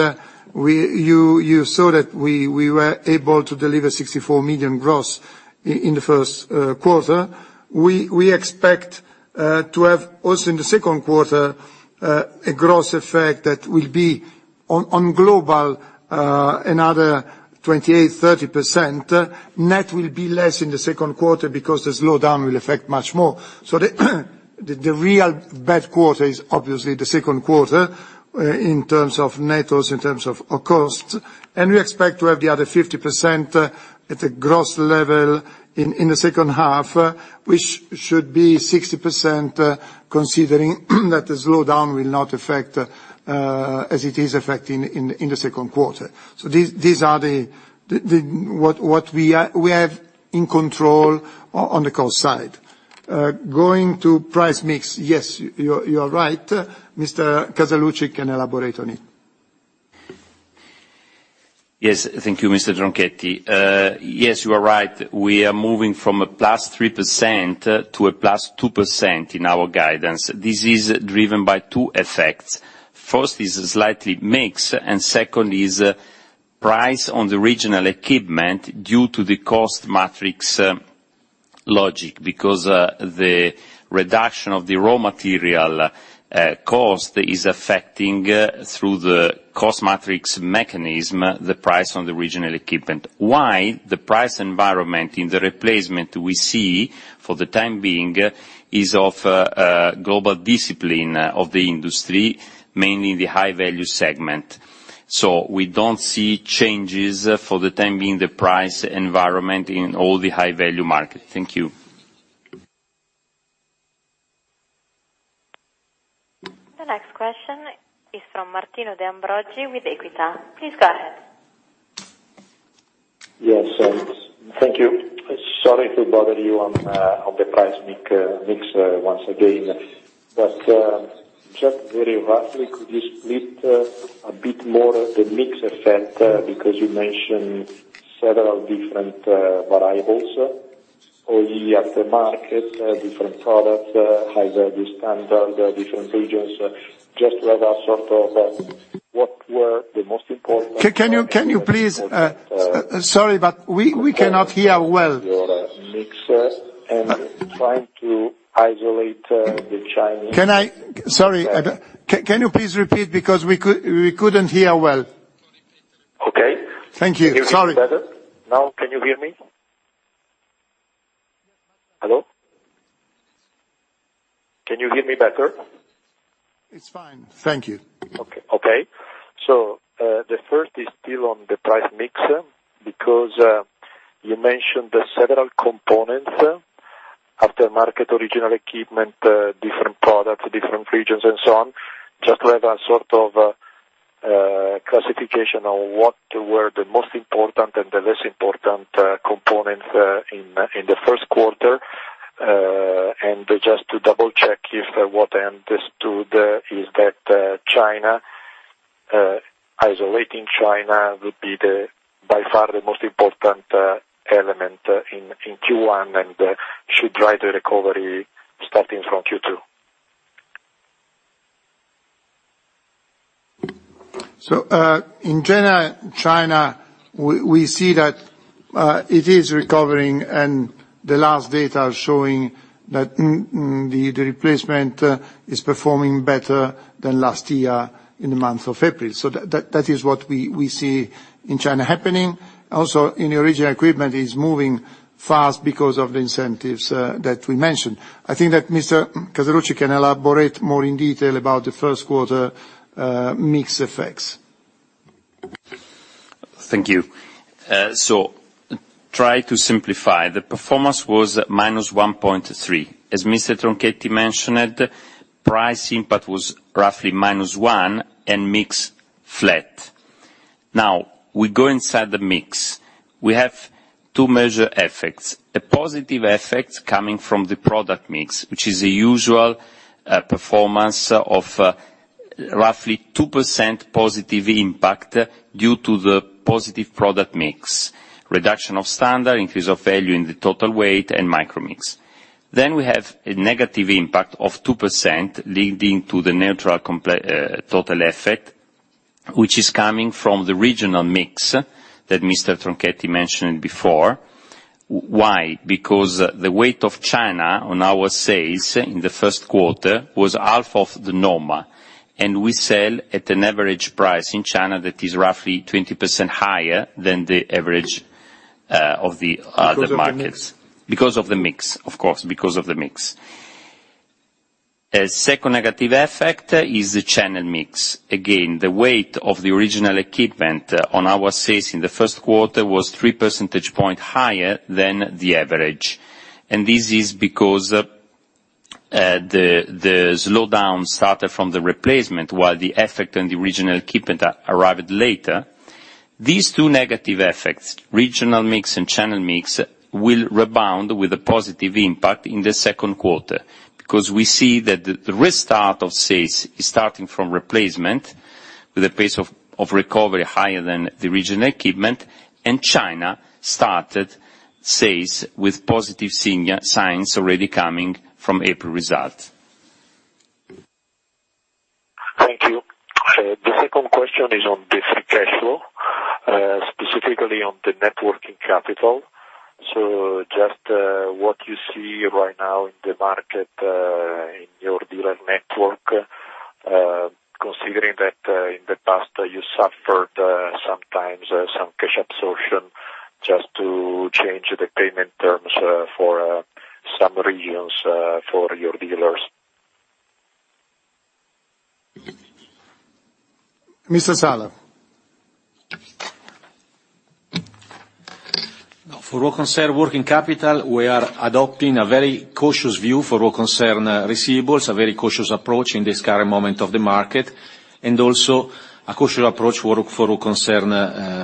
You saw that we were able to deliver 64 million gross in the first quarter. We expect to have also in the second quarter a gross effect that will be on global another 28%-30%. Net will be less in the second quarter because the slowdown will affect much more. So the real bad quarter is obviously the second quarter, in terms of net sales, in terms of our costs, and we expect to have the other 50% at a gross level in the second half, which should be 60%, considering that the slowdown will not affect as it is affecting in the second quarter. So these are what we have in control on the cost side. Going to price mix, yes, you are right. Mr. Casaluci can elaborate on it. Yes, thank you, Mr. Tronchetti. Yes, you are right. We are moving from +3% to +2% in our guidance. This is driven by two effects. First is slightly mix, and second is price on the original equipment due to the cost matrix logic, because the reduction of the raw material cost is affecting through the cost matrix mechanism, the price on the original equipment. Why? The price environment in the replacement we see for the time being is of global discipline of the industry, mainly in the high-value segment. So we don't see changes for the time being, the price environment in all the high-value market. Thank you. The next question is from Martino De Ambrogi with Equita. Please go ahead. Yes, thank you. Sorry to bother you on the price mix once again, but just very roughly, could you split a bit more the mix effect, because you mentioned several different variables, OE, aftermarket, different products, high value, standard, different regions. Just to have a sort of what were the most important- Can you please, sorry, but we cannot hear well. Your mix and trying to isolate the Chinese- Sorry, can you please repeat? Because we couldn't hear well. Okay. Thank you. Sorry. Can you hear me better now? Can you hear me? Hello? Can you hear me better? It's fine. Thank you. Okay. Okay, so the first is still on the price mix, because you mentioned the several components, aftermarket, original equipment, different products, different regions, and so on. Just to have a sort of classification on what were the most important and the less important components in the first quarter, and just to double-check if what I understood is that China, isolating China, would be by far the most important element in Q1, and should drive the recovery starting from Q2. So, in general, China, we see that it is recovering, and the last data are showing that the Replacement is performing better than last year in the month of April. So that is what we see in China happening. Also, in the Original Equipment, it's moving fast because of the incentives that we mentioned. I think that Mr. Casaluci can elaborate more in detail about the first quarter mix effects. Thank you. So try to simplify, the performance was -1.3. As Mr. Tronchetti mentioned, price impact was roughly -1, and mix, flat. Now, we go inside the mix. We have two major effects, a positive effect coming from the product mix, which is a usual performance of roughly 2% positive impact due to the positive product mix, reduction of Standard, increase of High Value in the total weight, and micro mix. Then we have a negative impact of 2% leading to the neutral complete total effect, which is coming from the regional mix that Mr. Tronchetti mentioned before. Why? Because the weight of China on our sales in the first quarter was half of the normal, and we sell at an average price in China that is roughly 20% higher than the average of the other markets. Because of the mix. Because of the mix, of course, because of the mix. A second negative effect is the channel mix. Again, the weight of the original equipment on our sales in the first quarter was 3 percentage points higher than the average, and this is because the slowdown started from the replacement, while the effect on the original equipment arrived later. These two negative effects, regional mix and channel mix, will rebound with a positive impact in the second quarter. Because we see that the restart of sales is starting from replacement, with a pace of recovery higher than the original equipment, and China started sales with positive signs already coming from April results. Thank you. The second question is on the free cash flow, specifically on the working capital. So just what you see right now in the market, in your dealer network, considering that in the past you suffered sometimes some cash absorption just to change the payment terms for some regions for your dealers? Mr. Sala. Now, for what concern working capital, we are adopting a very cautious view for what concern receivables, a very cautious approach in this current moment of the market, and also a cautious approach for what, for what concern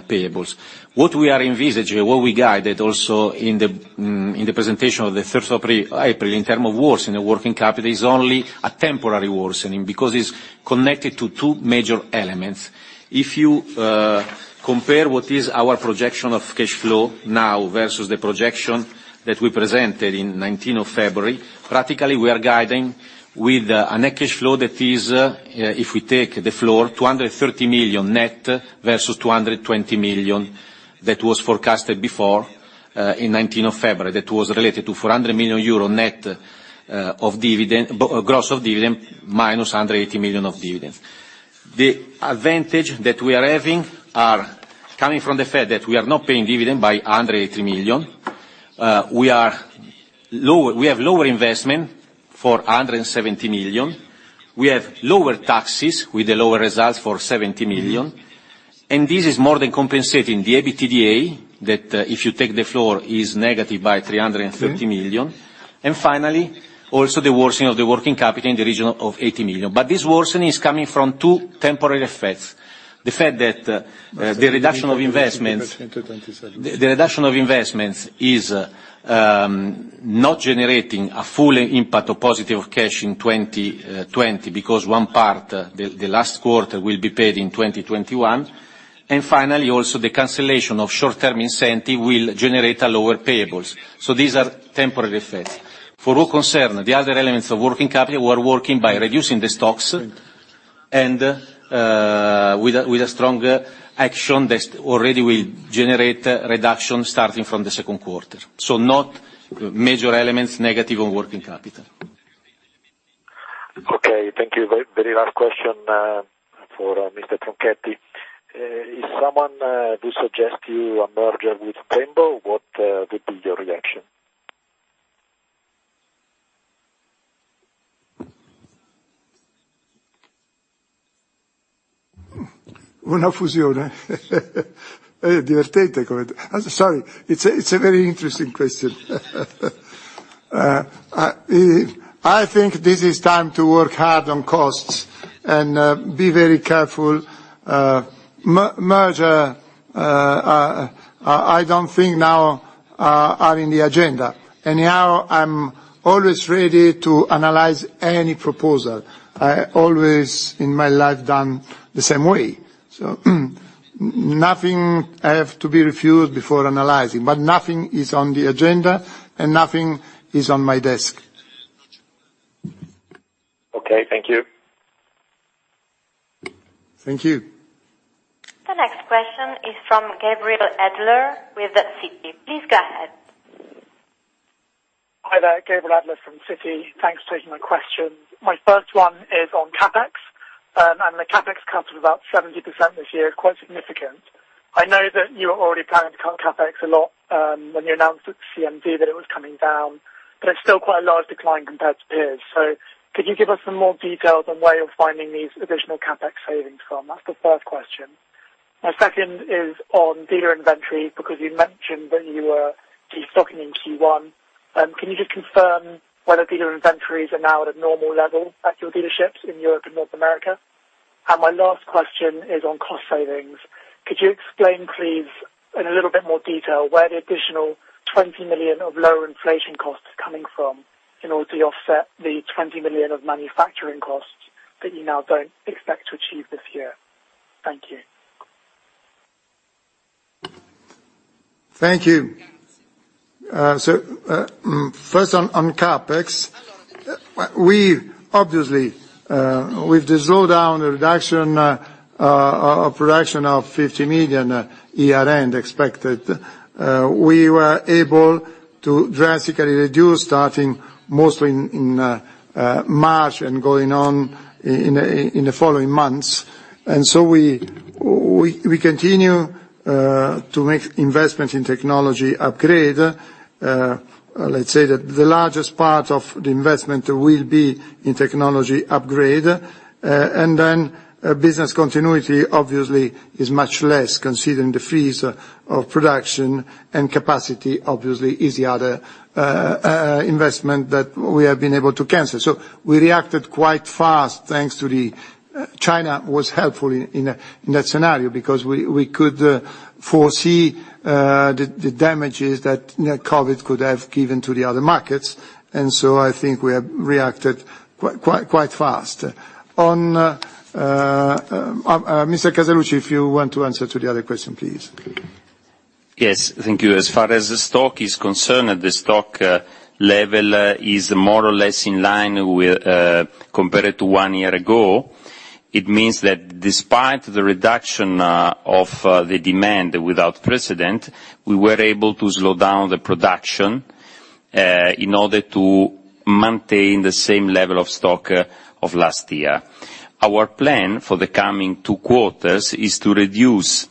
payables. What we are envisaging, what we guided also in the presentation of the first of pre-April, in term of worsening the working capital, is only a temporary worsening, because it's connected to two major elements. If you compare what is our projection of cash flow now versus the projection that we presented in 19 of February, practically, we are guiding with a net cash flow that is, if we take the floor, 230 million net versus 220 million that was forecasted before, in 19 of February. That was related to 400 million euro net of dividend, gross of dividend, minus 180 million of dividend. The advantage that we are having are coming from the fact that we are not paying dividend by 180 million. We have lower investment for 170 million. We have lower taxes with the lower results for 70 million, and this is more than compensating the EBITDA, that, if you take the floor, is negative by 330 million. And finally, also, the worsening of the working capital in the region of 80 million. But this worsening is coming from two temporary effects: the fact that, the reduction of investments- The reduction of investments is not generating a full impact of positive cash in 2020, because one part, the last quarter, will be paid in 2021. And finally, also, the cancellation of short-term incentive will generate a lower payables. So these are temporary effects. For all concern, the other elements of working capital, we're working by reducing the stocks, and with a stronger action that already will generate reduction starting from the second quarter. So not major elements, negative on working capital. Okay, thank you. Very, very last question for Mr. Tronchetti. If someone do suggest you a merger with Brembo, what would be your reaction? A merger? Funny. Sorry, it's a very interesting question. I think this is time to work hard on costs and be very careful. Merger, I don't think now are in the agenda. Anyhow, I'm always ready to analyze any proposal. I always, in my life, done the same way. So, nothing I have to be refused before analyzing, but nothing is on the agenda, and nothing is on my desk. Okay, thank you. Thank you. The next question is from Gabriel Adler with Citi. Please go ahead. Hi there, Gabriel Adler from Citi. Thanks for taking my questions. My first one is on CapEx, and the CapEx cut about 70% this year, quite significant. I know that you were already planning to cut CapEx a lot, when you announced at CMD that it was coming down, but it's still quite a large decline compared to peers. So could you give us some more details on where you're finding these additional CapEx savings from? That's the first question. My second is on dealer inventory, because you mentioned that you were de-stocking in Q1. Can you just confirm whether dealer inventories are now at a normal level at your dealerships in Europe and North America? And my last question is on cost savings. Could you explain, please, in a little bit more detail, where the additional 20 million of lower inflation costs are coming from in order to offset the 20 million of manufacturing costs that you now don't expect to achieve this year? Thank you. Thank you. So, first on CapEx, we obviously, with the slowdown, the reduction of production of 50 million year-end expected, we were able to drastically reduce, starting mostly in March and going on in the following months. So we continue to make investment in technology upgrade. Let's say that the largest part of the investment will be in technology upgrade, and then business continuity obviously is much less, considering the freeze of production and capacity, obviously, is the other investment that we have been able to cancel. So we reacted quite fast, thanks to the China was helpful in that scenario, because we could foresee the damages that COVID could have given to the other markets. And so I think we have reacted quite fast. On, Mr. Casaluci, if you want to answer to the other question, please. Yes, thank you. As far as the stock is concerned, the stock level is more or less in line with, compared to one year ago. It means that despite the reduction of the demand without precedent, we were able to slow down the production in order to maintain the same level of stock of last year. Our plan for the coming two quarters is to reduce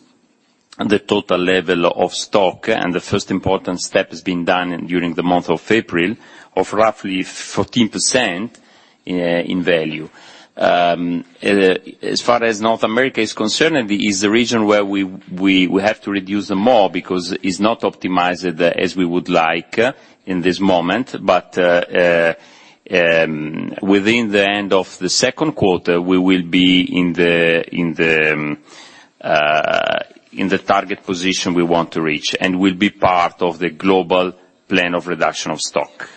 the total level of stock, and the first important step has been done during the month of April, of roughly 14% in value. As far as North America is concerned, it is the region where we have to reduce some more, because it's not optimized as we would like in this moment. Within the end of the second quarter, we will be in the target position we want to reach, and will be part of the global plan of reduction of stock.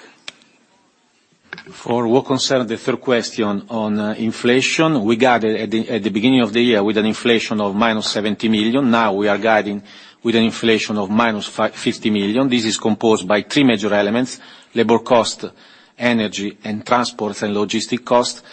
For what concerns the third question on inflation, we guided at the beginning of the year with an inflation of -70 million. Now, we are guiding with an inflation of -50 million. This is composed by three major elements: labor cost, energy, and transport and logistic cost.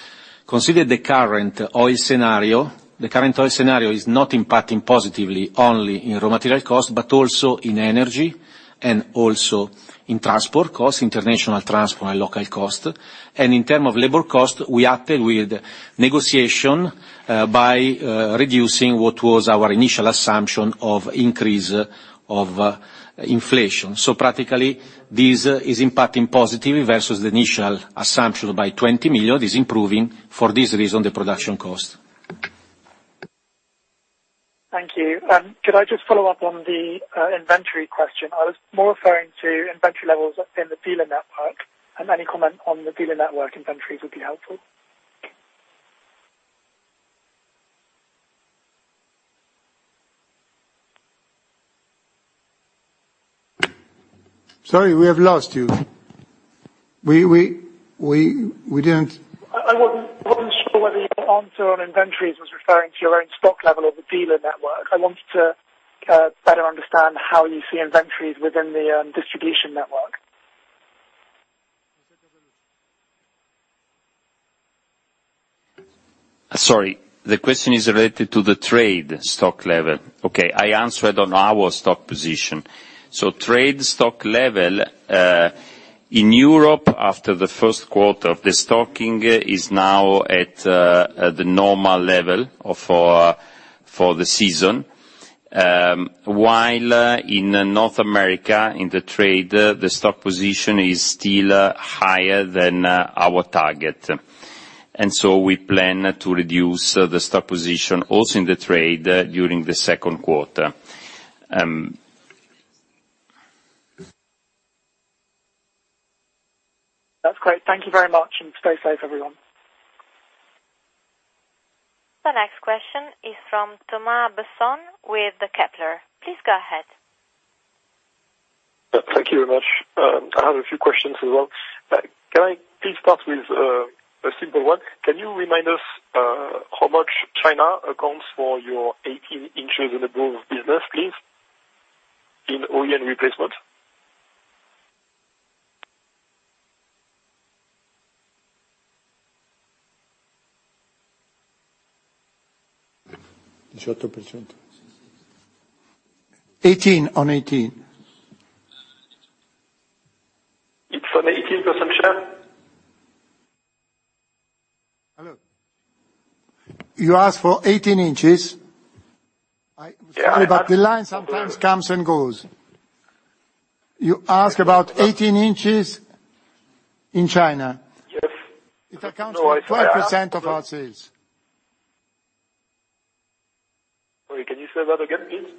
Consider the current oil scenario, the current oil scenario is not impacting positively only in raw material cost, but also in energy, and also in transport costs, international transport and local cost. And in terms of labor cost, we acted with negotiation by reducing what was our initial assumption of increase of inflation. So practically, this is impacting positively versus the initial assumption by 20 million, is improving, for this reason, the production cost. Thank you. Could I just follow up on the inventory question? I was more referring to inventory levels in the dealer network, and any comment on the dealer network inventories would be helpful. Sorry, we have lost you. We didn't- I wasn't sure whether your answer on inventories was referring to your own stock level or the dealer network. I wanted to better understand how you see inventories within the distribution network. Sorry, the question is related to the trade stock level. Okay, I answered on our stock position. So trade stock level in Europe, after the first quarter, the stocking is now at the normal level for the season. While in North America, in the trade, the stock position is still higher than our target. And so we plan to reduce the stock position also in the trade during the second quarter. That's great. Thank you very much, and stay safe, everyone. The next question is from Thomas Besson with Kepler. Please go ahead. Thank you very much. I have a few questions as well. Can I please start with a simple one? Can you remind us how much China accounts for your 18 inches and above business, please, in OE and replacement? 18 on 18? It's on 18 consumption? Hello, you asked for 18 inches? Yeah, I- Sorry, but the line sometimes comes and goes. You ask about 18 inches in China? Yes. It accounts for 12% of our sales. Sorry, can you say that again, please?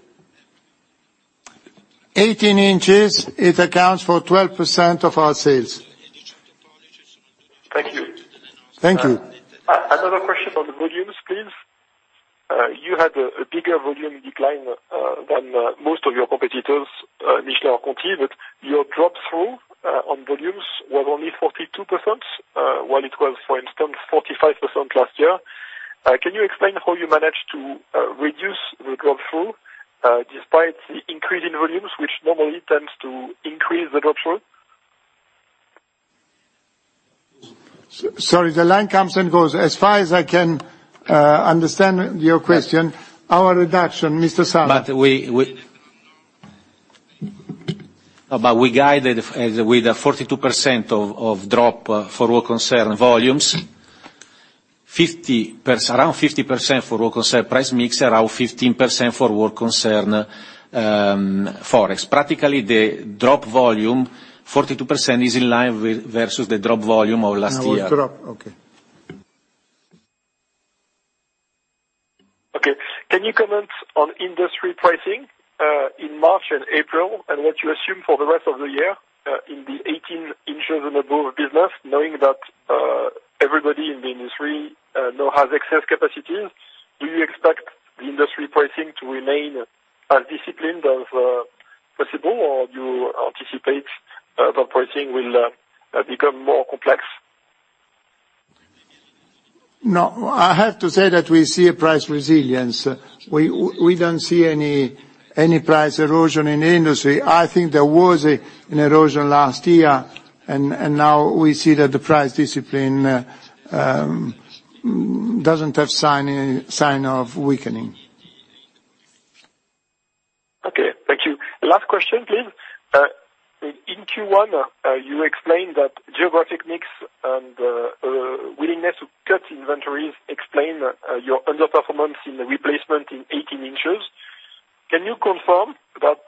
18 inches, it accounts for 12% of our sales. Thank you. Thank you. Another question on the volumes, please. You had a bigger volume decline than most of your competitors initially, but your drop-through on volumes was only 42%, while it was, for instance, 45% last year. Can you explain how you managed to reduce the drop-through despite the increase in volumes, which normally tends to increase the drop-through? Sorry, the line comes and goes. As far as I can understand your question, our reduction, Mr. Sala. But we- We guided as with a 42% drop for what concern volumes, 50%, around 50% for what concern price mix, around 15% for what concern Forex. Practically, the drop volume, 42% is in line with versus the drop volume of last year. No drop. Okay. Okay. Can you comment on industry pricing in March and April, and what you assume for the rest of the year in the 18 inches and above business, knowing that everybody in the industry now has excess capacity? Do you expect the industry pricing to remain as disciplined as possible, or do you anticipate the pricing will become more complex? No, I have to say that we see a price resilience. We don't see any price erosion in the industry. I think there was an erosion last year, and now we see that the price discipline doesn't have sign of weakening. Okay, thank you. Last question, please. In Q1, you explained that geopolitics and willingness to cut inventories explain your underperformance in the replacement in 18 inches. Can you confirm that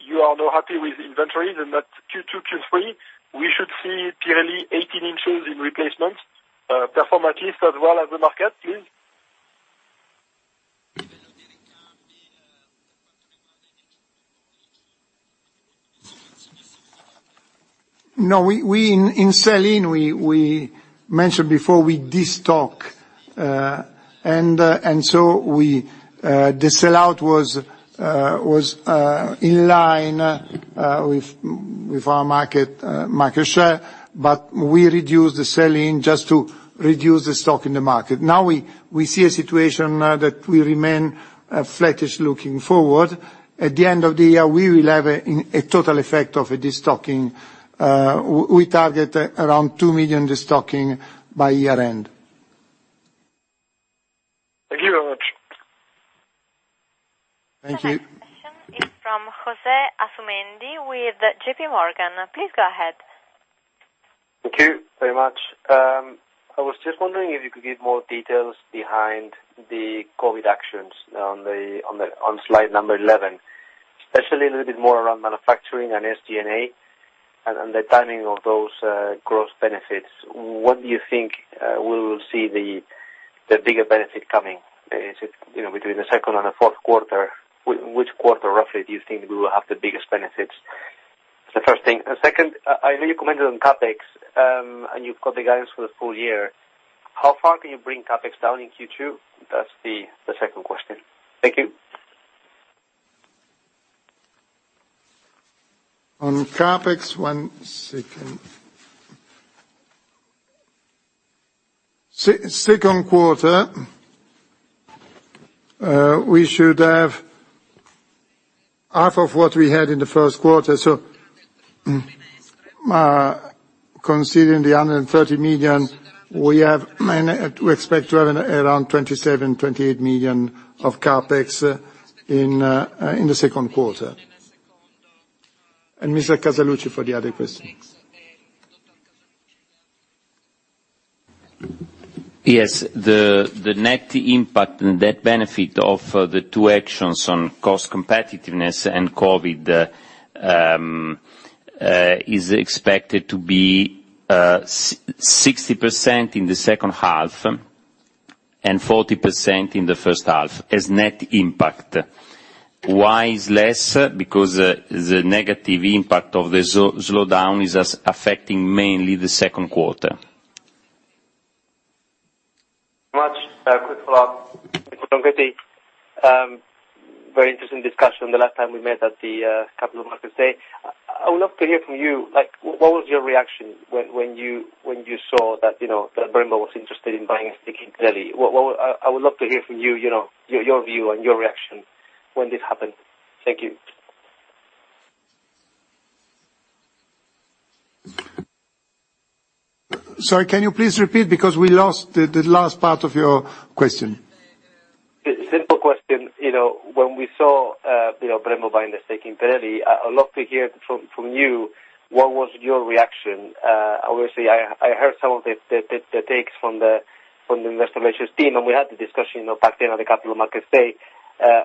you are now happy with inventories and that Q2, Q3, we should see Pirelli 18 inches in replacements perform at least as well as the market, please? No, we in sell-in, we mentioned before, we destock. And so we, the sell-out was in line with our market share, but we reduced the sell-in just to reduce the stock in the market. Now we see a situation that we remain flattish looking forward. At the end of the year, we will have a total effect of a destocking. We target around 2 million destocking by year-end. Thank you very much. Thank you. The next question is from Jose Asumendi with JPMorgan. Please go ahead. Thank you very much. I was just wondering if you could give more details behind the COVID actions on the slide number 11, especially a little bit more around manufacturing and SG&A and the timing of those gross benefits. What do you think we will see the bigger benefit coming? Is it, you know, between the second and the fourth quarter, which quarter roughly do you think we will have the biggest benefits? That's the first thing. The second, I know you commented on CapEx and you've got the guidance for the full year. How far can you bring CapEx down in Q2? That's the second question. Thank you. On CapEx, one second. Second quarter, we should have half of what we had in the first quarter, so, considering the under 30 million we have and we expect to have around 27 million-28 million of CapEx in the second quarter. And Mr. Casaluci for the other question. Yes, the net impact and the net benefit of the two actions on cost competitiveness and COVID is expected to be 60% in the second half and 40% in the first half, as net impact. Why is less? Because the negative impact of the slowdown is affecting mainly the second quarter. Much quick follow-up. Very interesting discussion the last time we met at the Capital Markets Day. I, I would love to hear from you, like, what was your reaction when, when you, when you saw that, you know, that Brembo was interested in buying a stake in Pirelli? What, what, I, I would love to hear from you, you know, your, your view and your reaction when this happened. Thank you. Sorry, can you please repeat? Because we lost the last part of your question. Simple question. You know, when we saw, you know, Brembo buying a stake in Pirelli, I'd love to hear from you, what was your reaction? Obviously, I heard some of the takes from the investor relations team, and we had the discussion, you know, back then at the Capital Markets Day,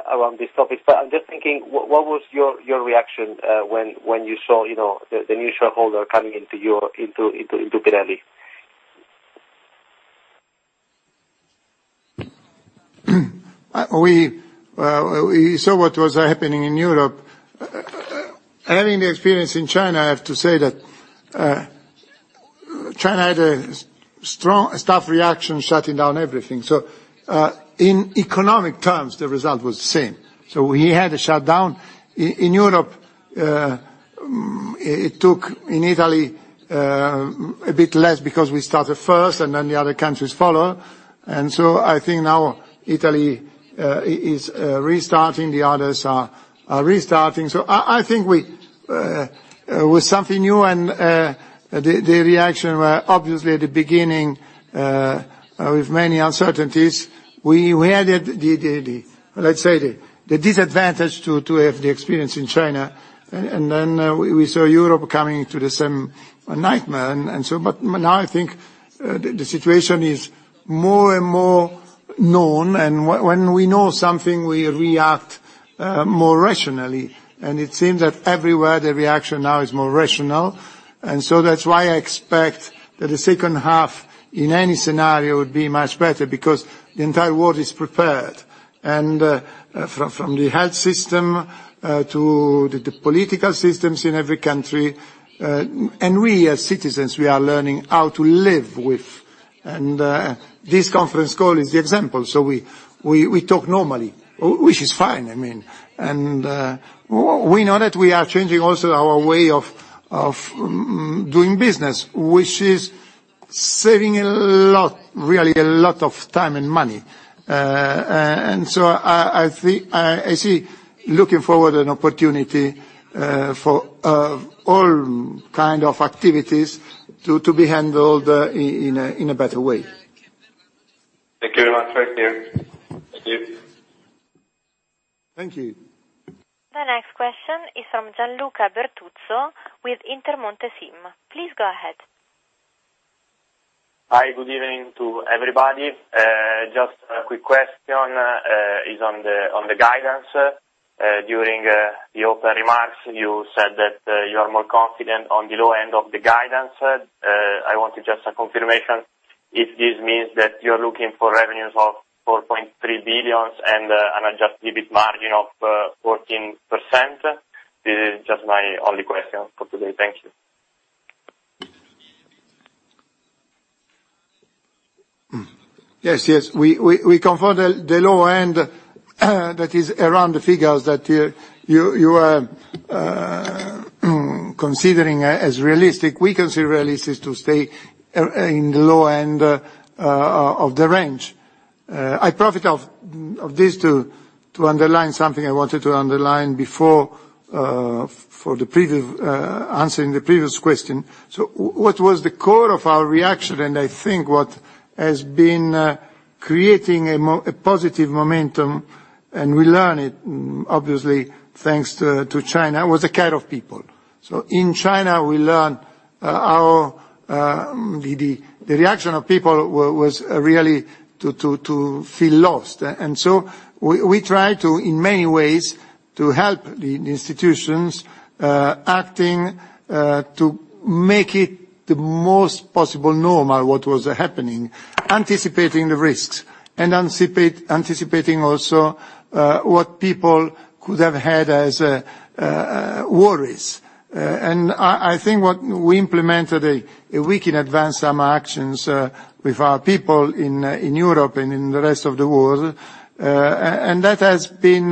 around this topic. But I'm just thinking, what was your reaction, when you saw, you know, the new shareholder coming into your Pirelli? We, we saw what was happening in Europe. Having the experience in China, I have to say that, China had a strong, a tough reaction, shutting down everything. So, in economic terms, the result was the same. So we had a shutdown. In, in Europe, it, it took, in Italy, a bit less because we started first, and then the other countries followed. And so I think now Italy, is, is restarting, the others are, are restarting. So I, I think we, with something new and, the, the reaction were obviously at the beginning, with many uncertainties. We, we added the, the, the, let's say, the, the disadvantage to, to have the experience in China, and, and then, we, we saw Europe coming to the same nightmare. And so, but now I think, The situation is more and more known, and when we know something, we react more rationally. It seems that everywhere the reaction now is more rational, and so that's why I expect that the second half, in any scenario, would be much better, because the entire world is prepared. From the health system to the political systems in every country, and we as citizens, we are learning how to live with. This conference call is the example, so we talk normally, which is fine, I mean. We know that we are changing also our way of doing business, which is saving a lot, really a lot of time and money. So I think, I see, looking forward, an opportunity for all kind of activities to be handled in a better way. Thank you very much. Thank you. Thank you. Thank you. The next question is from Gianluca Bertuzzo with Intermonte SIM. Please go ahead. Hi, good evening to everybody. Just a quick question, is on the, on the guidance. During, the open remarks, you said that, you are more confident on the low end of the guidance. I want just a confirmation if this means that you're looking for revenues of 4.3 billion and, an adjusted EBIT margin of 14%? This is just my only question for today. Thank you. Yes, yes. We confirm that the low end, that is around the figures that you are considering as realistic. We consider realistic to stay in the low end of the range. I take advantage of this to underline something I wanted to underline before, in answering the previous question. So what was the core of our reaction, and I think what has been creating a positive momentum, and we learned it, obviously, thanks to China, was the care of people. So in China, we learned how the reaction of people was really to feel lost. And so we try to, in many ways, to help the institutions, acting to make it the most possible normal what was happening, anticipating the risks and anticipating also what people could have had as worries. And I think what we implemented a week in advance some actions with our people in Europe and in the rest of the world, and that has been,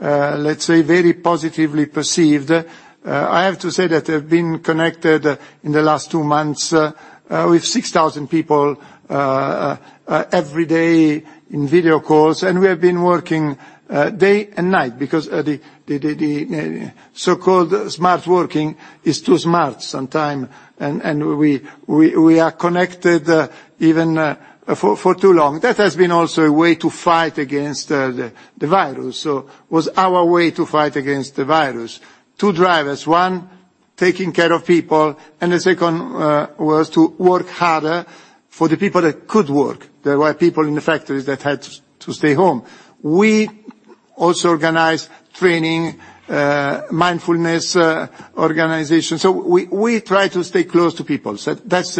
let's say, very positively perceived. I have to say that I've been connected in the last two months with 6,000 people every day in video calls, and we have been working day and night, because the so-called smart working is too smart sometimes, and we are connected even for too long. That has been also a way to fight against the virus, so was our way to fight against the virus. Two drivers: one, taking care of people, and the second was to work harder for the people that could work. There were people in the factories that had to stay home. We also organized training, mindfulness, organization, so we try to stay close to people. So that's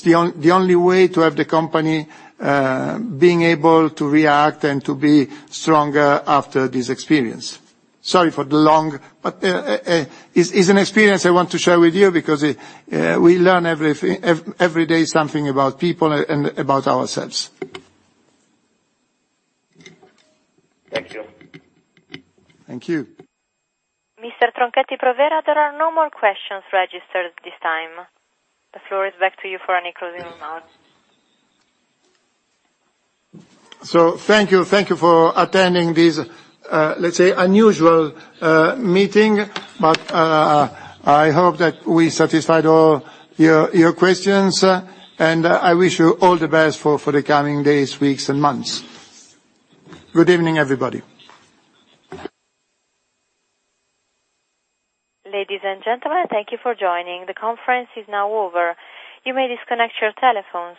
the only way to have the company being able to react and to be stronger after this experience. Sorry for the long, but it's an experience I want to share with you because we learn every day something about people and about ourselves. Thank you. Thank you. Mr. Tronchetti Provera, there are no more questions registered at this time. The floor is back to you for any closing remarks. Thank you. Thank you for attending this, let's say, unusual meeting. I hope that we satisfied all your questions, and I wish you all the best for the coming days, weeks, and months. Good evening, everybody. Ladies and gentlemen, thank you for joining. The conference is now over. You may disconnect your telephones.